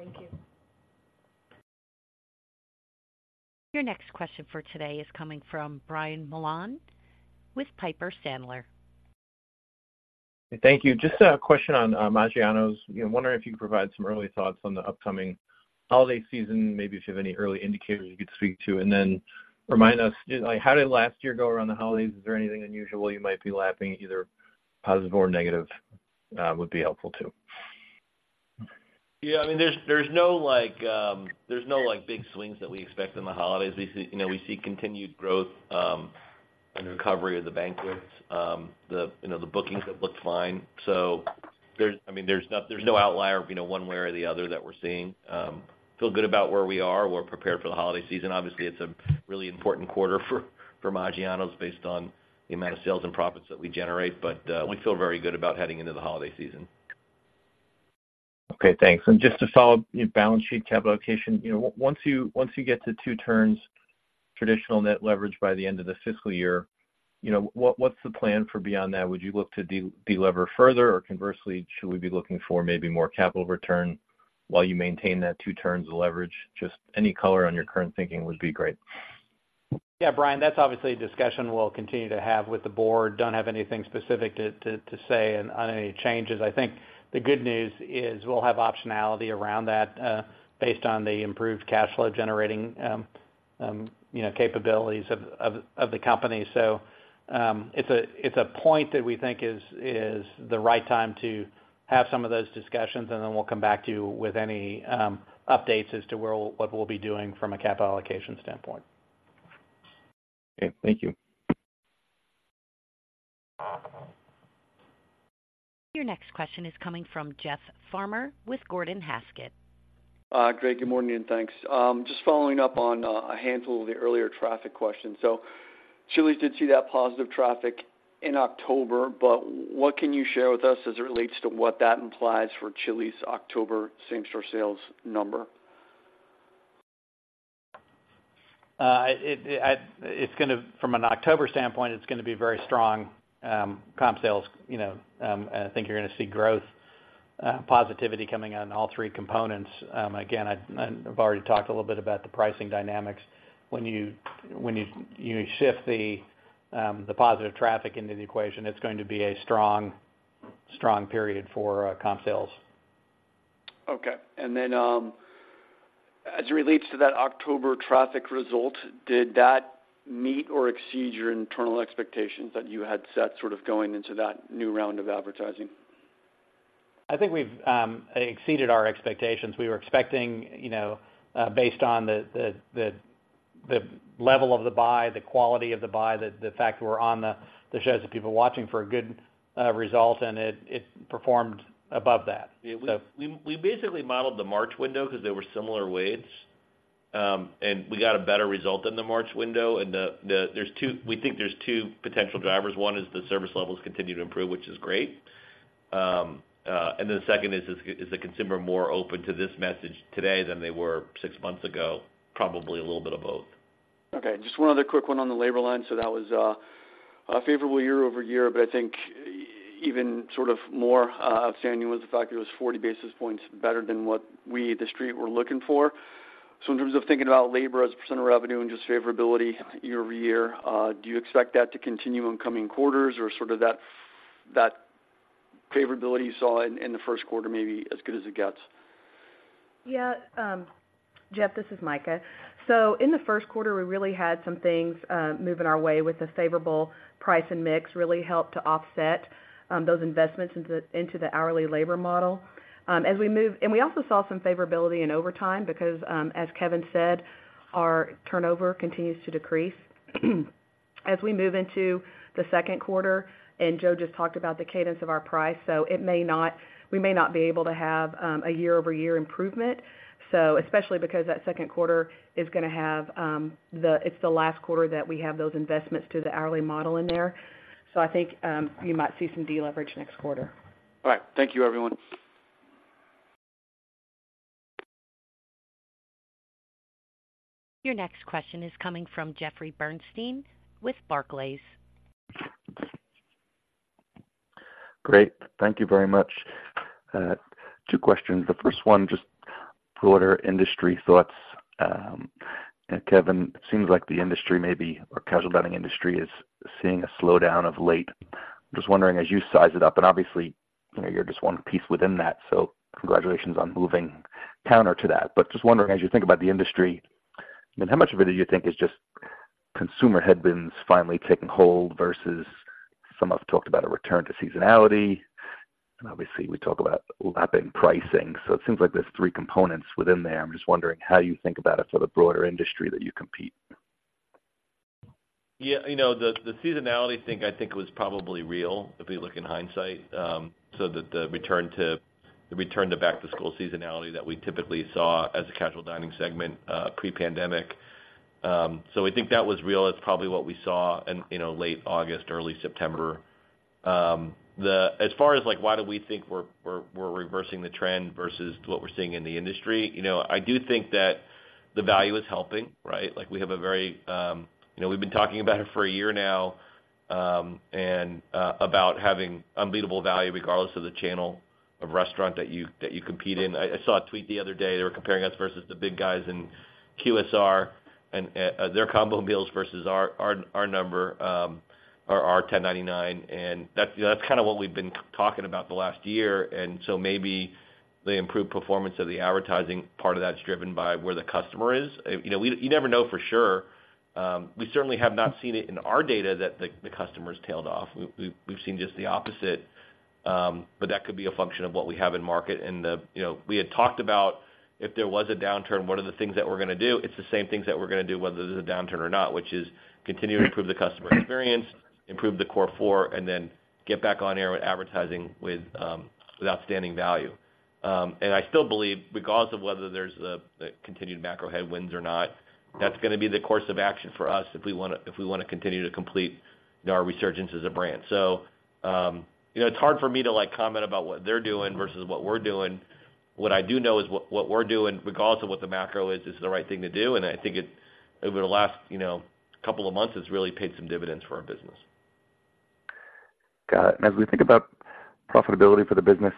Thank you. Your next question for today is coming from Brian Mullan with Piper Sandler. Thank you. Just a question on Maggiano's. You know, wondering if you can provide some early thoughts on the upcoming holiday season, maybe if you have any early indicators you could speak to. And then remind us, like, how did last year go around the holidays? Is there anything unusual you might be lapping, either positive or negative? Would be helpful, too. Yeah, I mean, there's no like, there's no like, big swings that we expect in the holidays. We see, you know, we see continued growth, and recovery of the banquets. You know, the bookings have looked fine. So, I mean, there's no outlier, you know, one way or the other that we're seeing. Feel good about where we are. We're prepared for the holiday season. Obviously, it's a really important quarter for Maggiano's, based on the amount of sales and profits that we generate, but we feel very good about heading into the holiday season. Okay, thanks. And just to follow balance sheet capital allocation, you know, once you get to 2 turns, traditional net leverage by the end of the fiscal year, you know, what's the plan for beyond that? Would you look to de-lever further, or conversely, should we be looking for maybe more capital return while you maintain that 2 turns of leverage? Just any color on your current thinking would be great. Yeah, Brian, that's obviously a discussion we'll continue to have with the board. Don't have anything specific to say on any changes. I think the good news is we'll have optionality around that, based on the improved cash flow generating, you know, capabilities of the company. So, it's a point that we think is the right time to have some of those discussions, and then we'll come back to you with any updates as to where, what we'll be doing from a capital allocation standpoint. Okay, thank you. Your next question is coming from Jeff Farmer with Gordon Haskett. Greg, good morning, and thanks. Just following up on a handful of the earlier traffic questions. So Chili's did see that positive traffic in October, but what can you share with us as it relates to what that implies for Chili's October same-store sales number? It's gonna, from an October standpoint, it's gonna be very strong comp sales, you know, and I think you're gonna see growth positivity coming on all three components. Again, and I've already talked a little bit about the pricing dynamics. When you shift the positive traffic into the equation, it's going to be a strong, strong period for comp sales. Okay. And then, as it relates to that October traffic result, did that meet or exceed your internal expectations that you had set sort of going into that new round of advertising? I think we've exceeded our expectations. We were expecting, you know, based on the level of the buy, the quality of the buy, the fact that we're on the shows that people watching for a good result, and it performed above that. We basically modeled the March window because they were similar weights, and we got a better result in the March window. And the, there's two—we think there's two potential drivers. One is the service levels continue to improve, which is great. And then the second is the consumer more open to this message today than they were six months ago? Probably a little bit of both. Okay, just one other quick one on the labor line. So that was, a favorable year-over-year, but I think even sort of more, outstanding was the fact that it was 40 basis points better than what we, the Street, were looking for. So in terms of thinking about labor as a % of revenue and just favorability year-over-year, do you expect that to continue in coming quarters or sort of that, that favorability you saw in, in the first quarter, maybe as good as it gets? Yeah. Jeff, this is Mika. So in the first quarter, we really had some things moving our way with a favorable price and mix, really helped to offset those investments into the hourly labor model. As we move and we also saw some favorability in overtime because, as Kevin said, our turnover continues to decrease. As we move into the second quarter, and Joe just talked about the cadence of our price, so it may not we may not be able to have a year-over-year improvement. So especially because that second quarter is gonna have the it's the last quarter that we have those investments to the hourly model in there. So I think you might see some deleverage next quarter. All right. Thank you, everyone. Your next question is coming from Jeffrey Bernstein with Barclays. Great. Thank you very much. Two questions. The first one, just broader industry thoughts. And Kevin, it seems like the industry maybe, or casual dining industry, is seeing a slowdown of late. Just wondering as you size it up, and obviously, you know, you're just one piece within that, so congratulations on moving counter to that. But just wondering, as you think about the industry, and how much of it do you think is just consumer headwinds finally taking hold versus some have talked about a return to seasonality, and obviously, we talk about lapping pricing. So it seems like there's three components within there. I'm just wondering how you think about it for the broader industry that you compete. Yeah, you know, the seasonality thing I think was probably real, if we look in hindsight, so that the return to back-to-school seasonality that we typically saw as a casual dining segment, pre-pandemic. So I think that was real. It's probably what we saw in, you know, late August, early September. As far as, like, why do we think we're reversing the trend versus what we're seeing in the industry? You know, I do think that the value is helping, right? Like, we have a very, you know, we've been talking about it for a year now, and about having unbeatable value regardless of the channel of restaurant that you compete in. I saw a tweet the other day, they were comparing us versus the big guys in QSR and their combo meals versus our number, our $10.99, and that's kind of what we've been talking about the last year. And so maybe the improved performance of the advertising, part of that's driven by where the customer is. You know, we, you never know for sure. We certainly have not seen it in our data that the customer's tailed off. We've seen just the opposite, but that could be a function of what we have in market. And the, you know, we had talked about if there was a downturn, what are the things that we're gonna do? It's the same things that we're gonna do, whether there's a downturn or not, which is continue to improve the customer experience, improve the Core Four, and then get back on air with advertising, with outstanding value. And I still believe, regardless of whether there's a continued macro headwinds or not, that's gonna be the course of action for us if we wanna, if we wanna continue to complete our resurgence as a brand. So, you know, it's hard for me to, like, comment about what they're doing versus what we're doing. What I do know is what we're doing, regardless of what the macro is, is the right thing to do, and I think it, over the last, you know, couple of months, has really paid some dividends for our business. Got it. As we think about profitability for the business,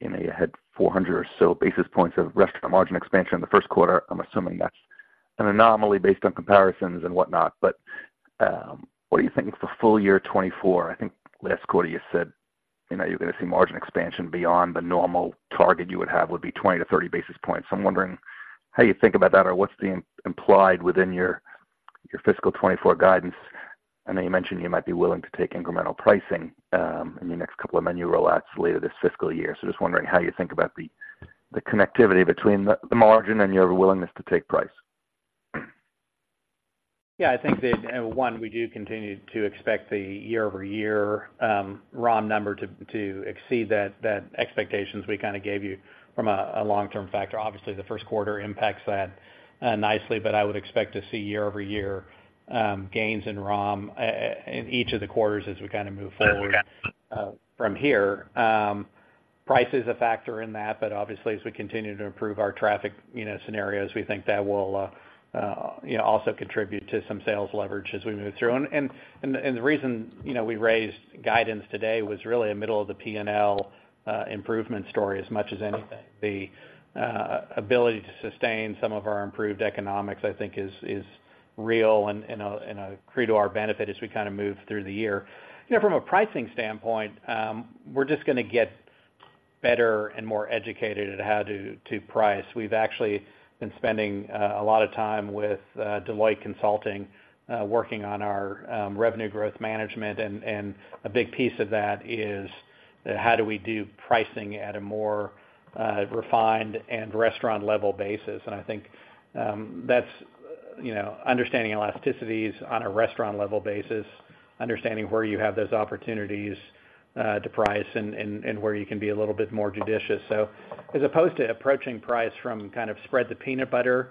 you know, you had 400 or so basis points of restaurant margin expansion in the first quarter. I'm assuming that's an anomaly based on comparisons and whatnot, but... What are you thinking for full year 2024? I think last quarter you said, you know, you're gonna see margin expansion beyond the normal target you would have would be 20 basis points-30 basis points. So I'm wondering how you think about that, or what's being implied within your, your fiscal 2024 guidance? I know you mentioned you might be willing to take incremental pricing, in your next couple of menu rollouts later this fiscal year. So just wondering how you think about the, the connectivity between the, the margin and your willingness to take price. Yeah, I think that, one, we do continue to expect the year-over-year ROM number to exceed that expectations we kind of gave you from a long-term factor. Obviously, the first quarter impacts that nicely, but I would expect to see year-over-year gains in ROM in each of the quarters as we kind of move forward- Okay. From here. Price is a factor in that, but obviously, as we continue to improve our traffic, you know, scenarios, we think that will, you know, also contribute to some sales leverage as we move through. And the reason, you know, we raised guidance today was really a middle-of-the-P&L improvement story as much as anything. The ability to sustain some of our improved economics, I think, is real and a credit to our benefit as we kind of move through the year. You know, from a pricing standpoint, we're just gonna get better and more educated at how to price. We've actually been spending a lot of time with Deloitte Consulting, working on our revenue growth management, and a big piece of that is how do we do pricing at a more refined and restaurant-level basis. And I think that's, you know, understanding elasticities on a restaurant-level basis, understanding where you have those opportunities to price and where you can be a little bit more judicious. So as opposed to approaching price from kind of spread the peanut butter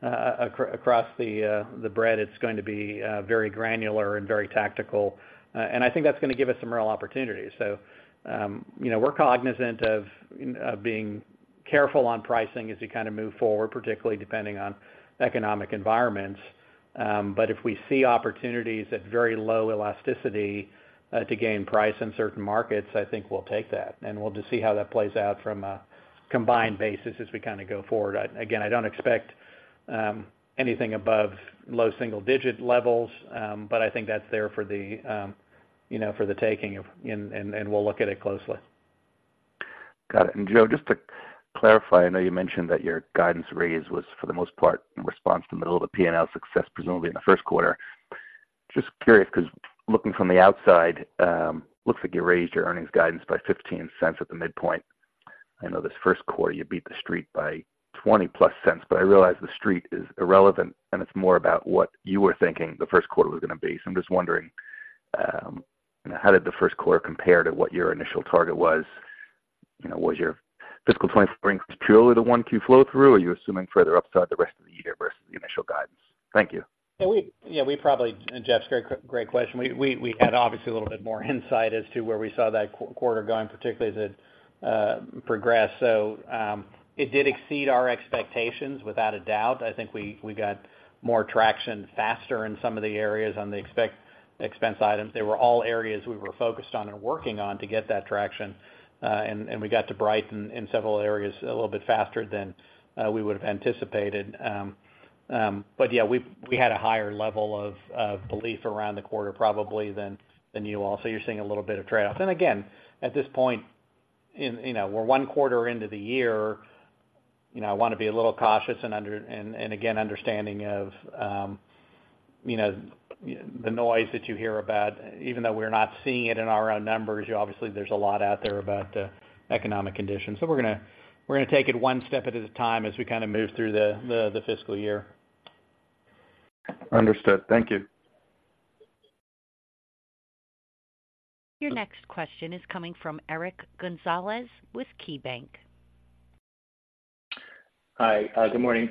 across the bread, it's going to be very granular and very tactical. And I think that's gonna give us some real opportunities. So, you know, we're cognizant of being careful on pricing as we kind of move forward, particularly depending on economic environments. But if we see opportunities at very low elasticity, to gain price in certain markets, I think we'll take that, and we'll just see how that plays out from a combined basis as we kind of go forward. Again, I don't expect anything above low single-digit levels, but I think that's there for the, you know, for the taking of, and we'll look at it closely. Got it. And Joe, just to clarify, I know you mentioned that your guidance raise was, for the most part, in response to the middle of the P&L success, presumably in the first quarter. Just curious, because looking from the outside, looks like you raised your earnings guidance by $0.15 at the midpoint. I know this first quarter, you beat the street by $0.20+, but I realize the street is irrelevant, and it's more about what you were thinking the first quarter was gonna be. So I'm just wondering, you know, how did the first quarter compare to what your initial target was? You know, was your fiscal 2024 purely the one Q flow-through, or are you assuming further upside the rest of the year versus the initial guidance? Thank you. Yeah, we probably, and Jeff, great question. We had obviously a little bit more insight as to where we saw that quarter going, particularly as it progressed. So, it did exceed our expectations, without a doubt. I think we got more traction faster in some of the areas on the expense items. They were all areas we were focused on and working on to get that traction, and we got to brighten in several areas a little bit faster than we would've anticipated. But yeah, we had a higher level of belief around the quarter probably than you all. So you're seeing a little bit of trade-off. And again, at this point, you know, we're one quarter into the year, you know, I wanna be a little cautious, and again, understanding of, you know, the noise that you hear about... Even though we're not seeing it in our own numbers, obviously, there's a lot out there about economic conditions. So we're gonna take it one step at a time as we kind of move through the fiscal year. Understood. Thank you. Your next question is coming from Eric Gonzalez with KeyBanc. Hi, good morning.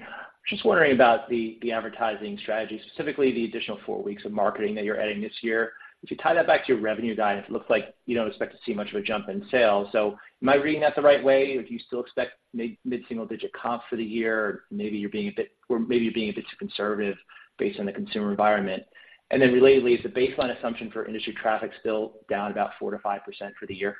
Just wondering about the advertising strategy, specifically the additional four weeks of marketing that you're adding this year. If you tie that back to your revenue guide, it looks like you don't expect to see much of a jump in sales. So am I reading that the right way, or do you still expect mid-single digit comps for the year? Maybe you're being a bit too conservative based on the consumer environment. And then relatedly, is the baseline assumption for industry traffic still down about 4%-5% for the year?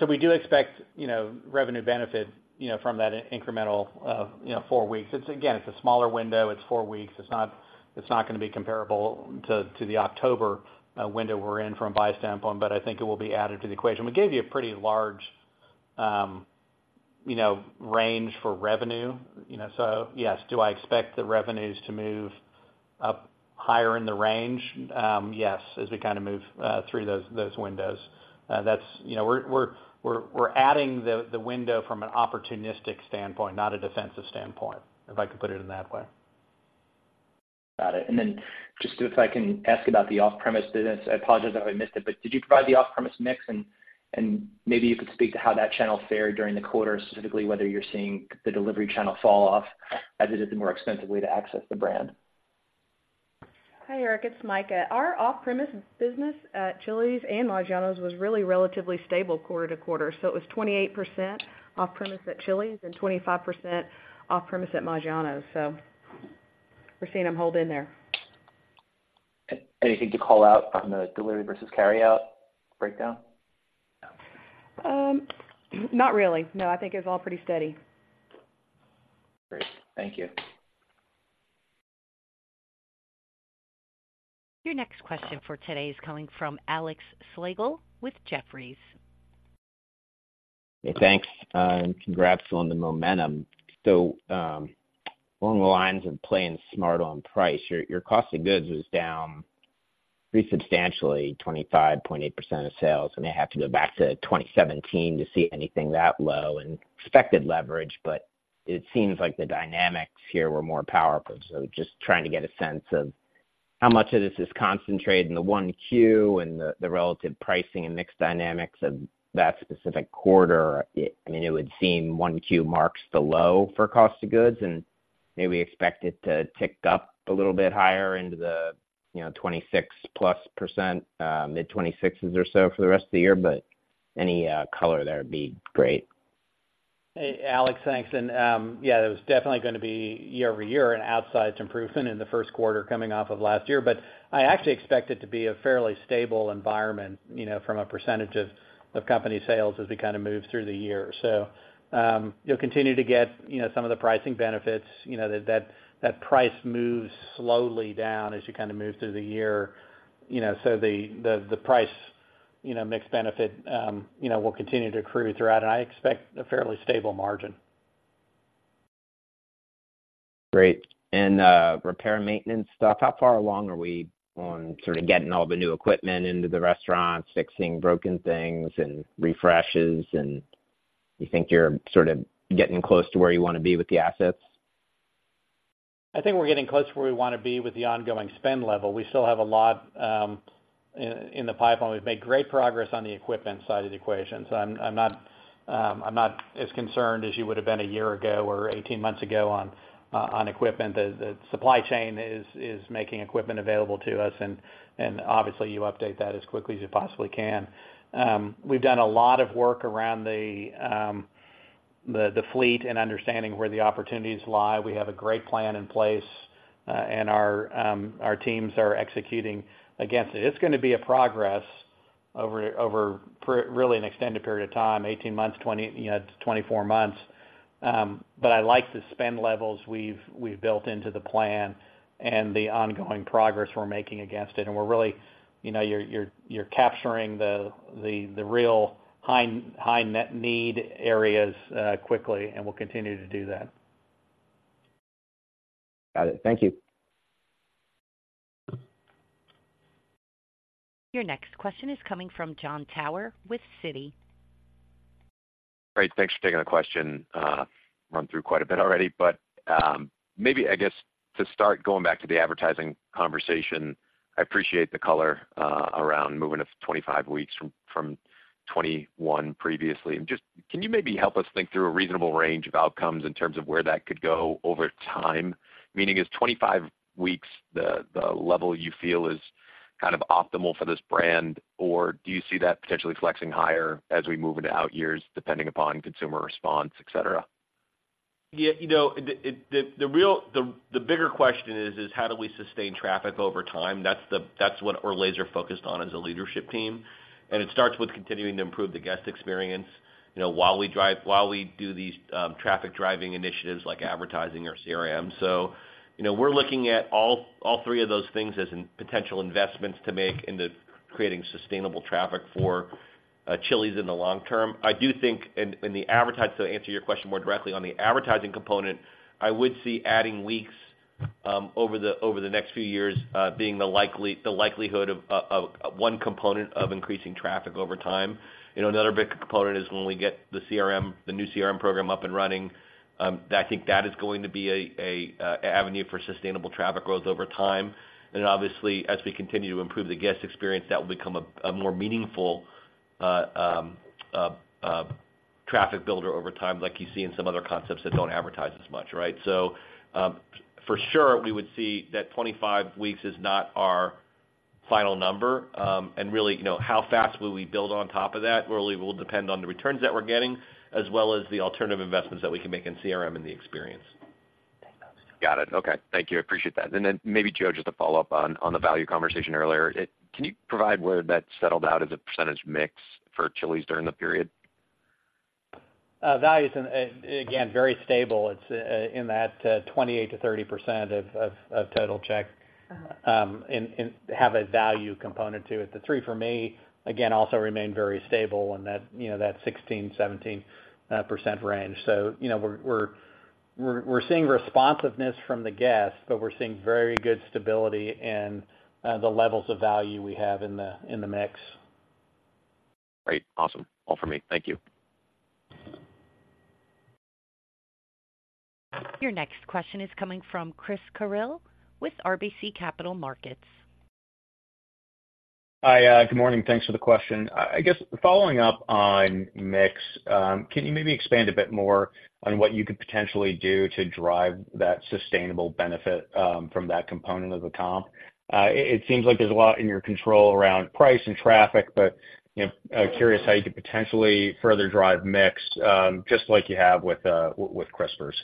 So we do expect, you know, revenue benefit, you know, from that incremental, you know, four weeks. It's, again, it's a smaller window. It's four weeks. It's not, it's not gonna be comparable to, to the October window we're in from a buy standpoint, but I think it will be added to the equation. We gave you a pretty large, you know, range for revenue, you know. So yes, do I expect the revenues to move up higher in the range? Yes, as we kind of move through those windows. That's you know, we're adding the window from an opportunistic standpoint, not a defensive standpoint, if I could put it in that way. Got it. And then just if I can ask about the off-premise business, I apologize if I missed it, but did you provide the off-premise mix? And maybe you could speak to how that channel fared during the quarter, specifically whether you're seeing the delivery channel fall off as it is the more expensive way to access the brand. Hi, Eric, it's Mika. Our off-premise business at Chili's and Maggiano's was really relatively stable quarter to quarter. So it was 28% off-premise at Chili's and 25% off-premise at Maggiano's. So we're seeing them hold in there. Anything to call out on the delivery versus carryout breakdown?... not really. No, I think it was all pretty steady. Great. Thank you. Your next question for today is coming from Alex Slagle with Jefferies. Hey, thanks, and congrats on the momentum. So, along the lines of playing smart on price, your, your cost of goods was down pretty substantially, 25.8% of sales, and they have to go back to 2017 to see anything that low and expected leverage, but it seems like the dynamics here were more powerful. So just trying to get a sense of how much of this is concentrated in the 1Q and the, the relative pricing and mix dynamics of that specific quarter. I mean, it would seem 1Q marks the low for cost of goods, and maybe expect it to tick up a little bit higher into the, you know, 26%+, mid-26s or so for the rest of the year, but any color there would be great. Hey, Alex, thanks. And, yeah, there was definitely going to be year-over-year an outsized improvement in the first quarter coming off of last year. But I actually expect it to be a fairly stable environment, you know, from a percentage of company sales as we kind of move through the year. So, you'll continue to get, you know, some of the pricing benefits, you know, that price moves slowly down as you kind of move through the year. You know, so the price, you know, mix benefit, you know, will continue to accrue throughout, and I expect a fairly stable margin. Great. And repair and maintenance stuff, how far along are we on sort of getting all the new equipment into the restaurants, fixing broken things and refreshes, and you think you're sort of getting close to where you want to be with the assets? I think we're getting close to where we want to be with the ongoing spend level. We still have a lot in the pipeline. We've made great progress on the equipment side of the equation, so I'm not as concerned as you would have been a year ago or 18 months ago on equipment. The supply chain is making equipment available to us, and obviously, you update that as quickly as you possibly can. We've done a lot of work around the fleet and understanding where the opportunities lie. We have a great plan in place, and our teams are executing against it. It's going to be a progress over really an extended period of time, 18 months, 20, you know, to 24 months. But I like the spend levels we've built into the plan and the ongoing progress we're making against it, and we're really, you know, you're capturing the real high net need areas quickly, and we'll continue to do that. Got it. Thank you. Your next question is coming from Jon Tower with Citi. Great. Thanks for taking the question, run through quite a bit already. But, maybe, I guess, to start going back to the advertising conversation, I appreciate the color, around moving to 25 weeks from 21 previously. And just, can you maybe help us think through a reasonable range of outcomes in terms of where that could go over time? Meaning, is 25 weeks the level you feel is kind of optimal for this brand, or do you see that potentially flexing higher as we move into out years, depending upon consumer response, et cetera? Yeah, you know, the real bigger question is how do we sustain traffic over time? That's what we're laser focused on as a leadership team, and it starts with continuing to improve the guest experience, you know, while we do these traffic-driving initiatives like advertising or CRM. So, you know, we're looking at all three of those things as potential investments to make into creating sustainable traffic for Chili's in the long term. I do think in the advertising, to answer your question more directly on the advertising component, I would see adding weeks over the next few years being the likelihood of one component of increasing traffic over time. You know, another big component is when we get the CRM, the new CRM program up and running. I think that is going to be a avenue for sustainable traffic growth over time. And obviously, as we continue to improve the guest experience, that will become a more meaningful traffic builder over time, like you see in some other concepts that don't advertise as much, right? So, for sure, we would see that 25 weeks is not our final number. And really, you know, how fast will we build on top of that, really will depend on the returns that we're getting, as well as the alternative investments that we can make in CRM and the experience. Got it. Okay. Thank you. I appreciate that. And then maybe, Joe, just to follow up on, on the value conversation earlier. Can you provide where that settled out as a percentage mix for Chili's during the period? Value is again very stable. It's in that 28%-30% of total check, and have a value component to it. The 3 For Me, again, also remain very stable in that, you know, that 16%-17% range. So, you know, we're seeing responsiveness from the guests, but we're seeing very good stability in the levels of value we have in the mix. Great. Awesome. All for me. Thank you. Your next question is coming from Chris Carril with RBC Capital Markets. Hi, good morning. Thanks for the question. I guess following up on mix, can you maybe expand a bit more on what you could potentially do to drive that sustainable benefit, from that component of the comp? It seems like there's a lot in your control around price and traffic, but, you know, curious how you could potentially further drive mix, just like you have with Crispers....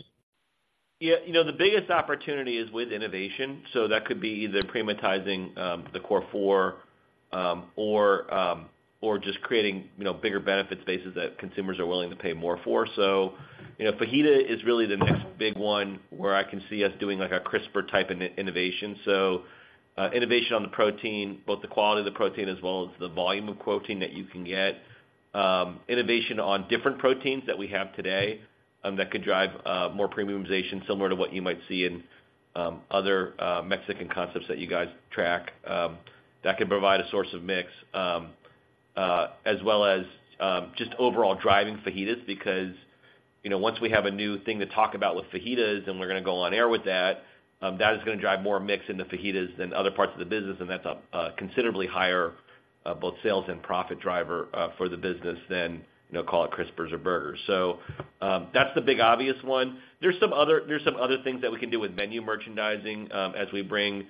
Yeah, you know, the biggest opportunity is with innovation, so that could be either premiumitizing the Core Four or or just creating, you know, bigger benefit spaces that consumers are willing to pay more for. So, you know, fajita is really the next big one where I can see us doing, like, a Crisper type of innovation. So, innovation on the protein, both the quality of the protein as well as the volume of protein that you can get. Innovation on different proteins that we have today that could drive more premiumization, similar to what you might see in other Mexican concepts that you guys track. That could provide a source of mix, as well as just overall driving fajitas, because, you know, once we have a new thing to talk about with fajitas and we're gonna go on air with that, that is gonna drive more mix into fajitas than other parts of the business, and that's a considerably higher both sales and profit driver for the business than, you know, call it crispers or burgers. So, that's the big obvious one. There's some other things that we can do with menu merchandising, as we bring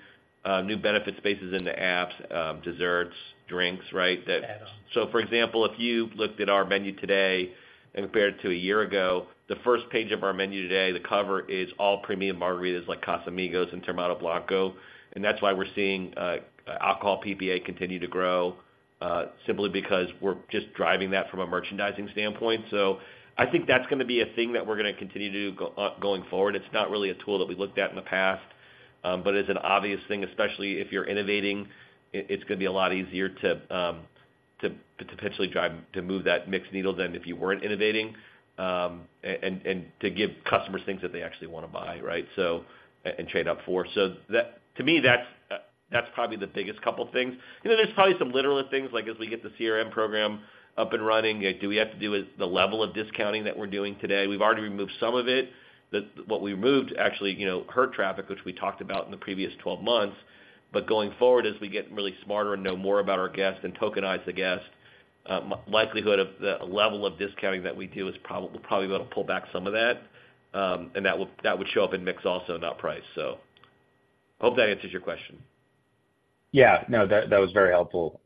new benefit spaces into apps, desserts, drinks, right? That- Add-ons. So, for example, if you looked at our menu today and compared to a year ago, the first page of our menu today, the cover, is all premium margaritas, like Casamigos and Teremana Blanco. And that's why we're seeing alcohol PPA continue to grow, simply because we're just driving that from a merchandising standpoint. So I think that's gonna be a thing that we're gonna continue to do going forward. It's not really a tool that we looked at in the past, but it's an obvious thing, especially if you're innovating. It's gonna be a lot easier to potentially drive to move that mix needle than if you weren't innovating. And to give customers things that they actually wanna buy, right? So, and trade up for. So that to me, that's that's probably the biggest couple things. You know, there's probably some literal things, like as we get the CRM program up and running, like, do we have to do with the level of discounting that we're doing today? We've already removed some of it. The what we removed actually, you know, hurt traffic, which we talked about in the previous 12 months. But going forward, as we get really smarter and know more about our guests and tokenize the guest, likelihood of the level of discounting that we do is we're probably going to pull back some of that. And that would, that would show up in mix also, not price. So hope that answers your question. Yeah. No, that was very helpful.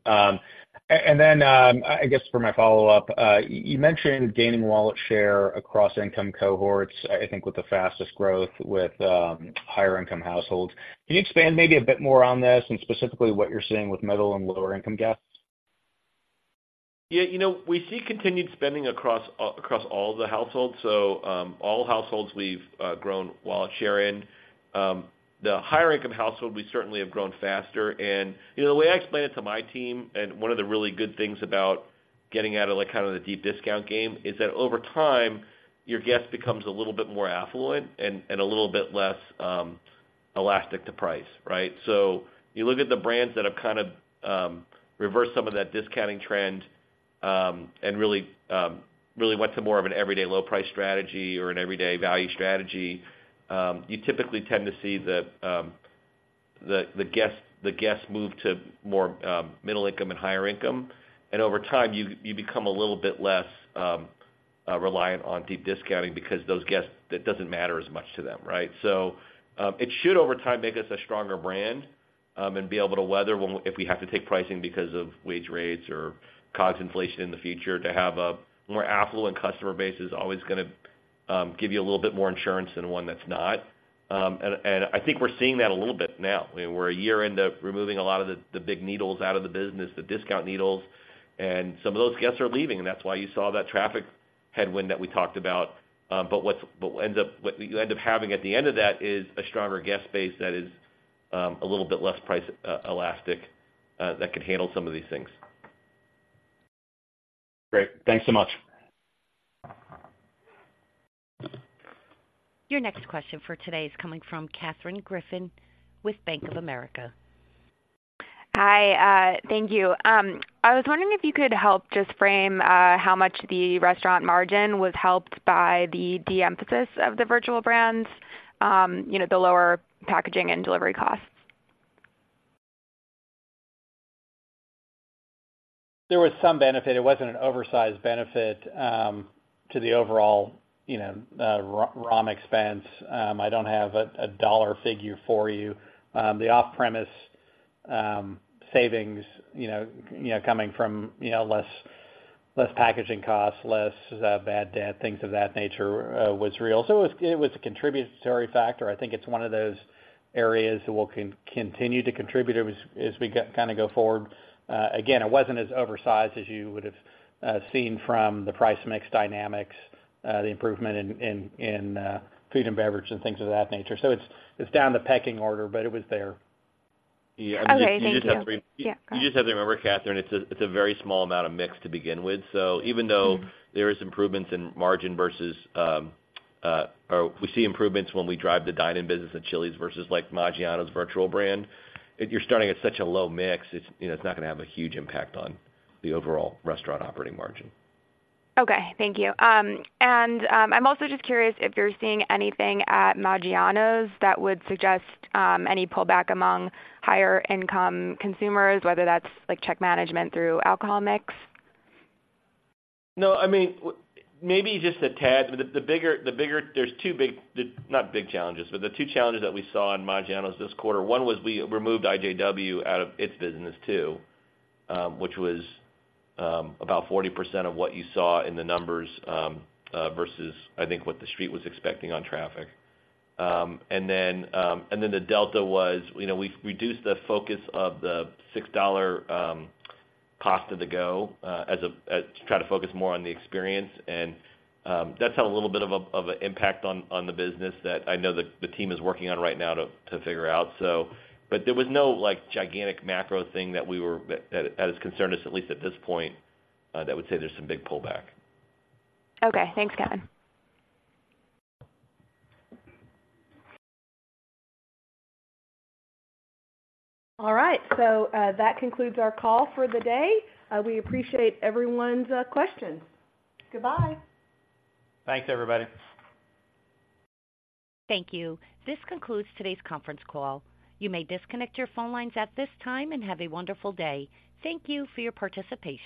And then, I guess for my follow-up, you mentioned gaining wallet share across income cohorts, I think with the fastest growth with higher income households. Can you expand maybe a bit more on this and specifically what you're seeing with middle and lower income guests? Yeah, you know, we see continued spending across across all the households. So all households we've grown wallet share in. The higher income household, we certainly have grown faster. And, you know, the way I explain it to my team, and one of the really good things about getting out of, like, kind of the deep discount game, is that over time, your guest becomes a little bit more affluent and, and a little bit less elastic to price, right? So you look at the brands that have kind of reversed some of that discounting trend, and really, really went to more of an everyday low price strategy or an everyday value strategy. You typically tend to see the, the guests, the guests move to more middle income and higher income, and over time, you, you become a little bit less reliant on deep discounting because those guests, that doesn't matter as much to them, right? So, it should, over time, make us a stronger brand, and be able to weather when if we have to take pricing because of wage rates or cost inflation in the future. To have a more affluent customer base is always gonna give you a little bit more insurance than one that's not. And, and I think we're seeing that a little bit now. I mean, we're a year into removing a lot of the big needles out of the business, the discount needles, and some of those guests are leaving, and that's why you saw that traffic headwind that we talked about. But what ends up, what you end up having at the end of that is a stronger guest base that is a little bit less price elastic that can handle some of these things. Great. Thanks so much. Your next question for today is coming from Katherine Griffin with Bank of America. Hi, thank you. I was wondering if you could help just frame how much the restaurant margin was helped by the de-emphasis of the virtual brands, you know, the lower packaging and delivery costs? There was some benefit. It wasn't an oversized benefit to the overall, you know, ROM expense. I don't have a dollar figure for you. The off-premise savings, you know, you know, coming from, you know, less, less packaging costs, less bad debt, things of that nature, was real. So it was, it was a contributory factor. I think it's one of those areas that will continue to contribute it as, as we kind of go forward. Again, it wasn't as oversized as you would've seen from the price mix dynamics, the improvement in, in, in food and beverage and things of that nature. So it's, it's down the pecking order, but it was there. Okay, thank you. Yeah, you just have to re- Yeah, go ahead. You just have to remember, Katherine, it's a very small amount of mix to begin with. Mm-hmm. So even though there is improvements in margin versus or we see improvements when we drive the dine-in business at Chili's versus, like, Maggiano's virtual brand, if you're starting at such a low mix, it's, you know, it's not gonna have a huge impact on the overall restaurant operating margin. Okay, thank you. I'm also just curious if you're seeing anything at Maggiano's that would suggest any pullback among higher income consumers, whether that's, like, check management through alcohol mix? No, I mean, maybe just a tad, but the bigger... There's two big, not big challenges, but the two challenges that we saw in Maggiano's this quarter, one was we removed IJW out of its business, too, which was about 40% of what you saw in the numbers, versus I think what the street was expecting on traffic. And then the delta was, you know, we've reduced the focus of the $6 cost of the go, as a to try to focus more on the experience. And that's had a little bit of a impact on the business that I know that the team is working on right now to figure out. So, but there was no, like, gigantic macro thing that we were that has concerned us, at least at this point, that would say there's some big pullback. Okay. Thanks, Kevin. All right. So, that concludes our call for the day. We appreciate everyone's questions. Goodbye! Thanks, everybody. Thank you. This concludes today's conference call. You may disconnect your phone lines at this time and have a wonderful day. Thank you for your participation.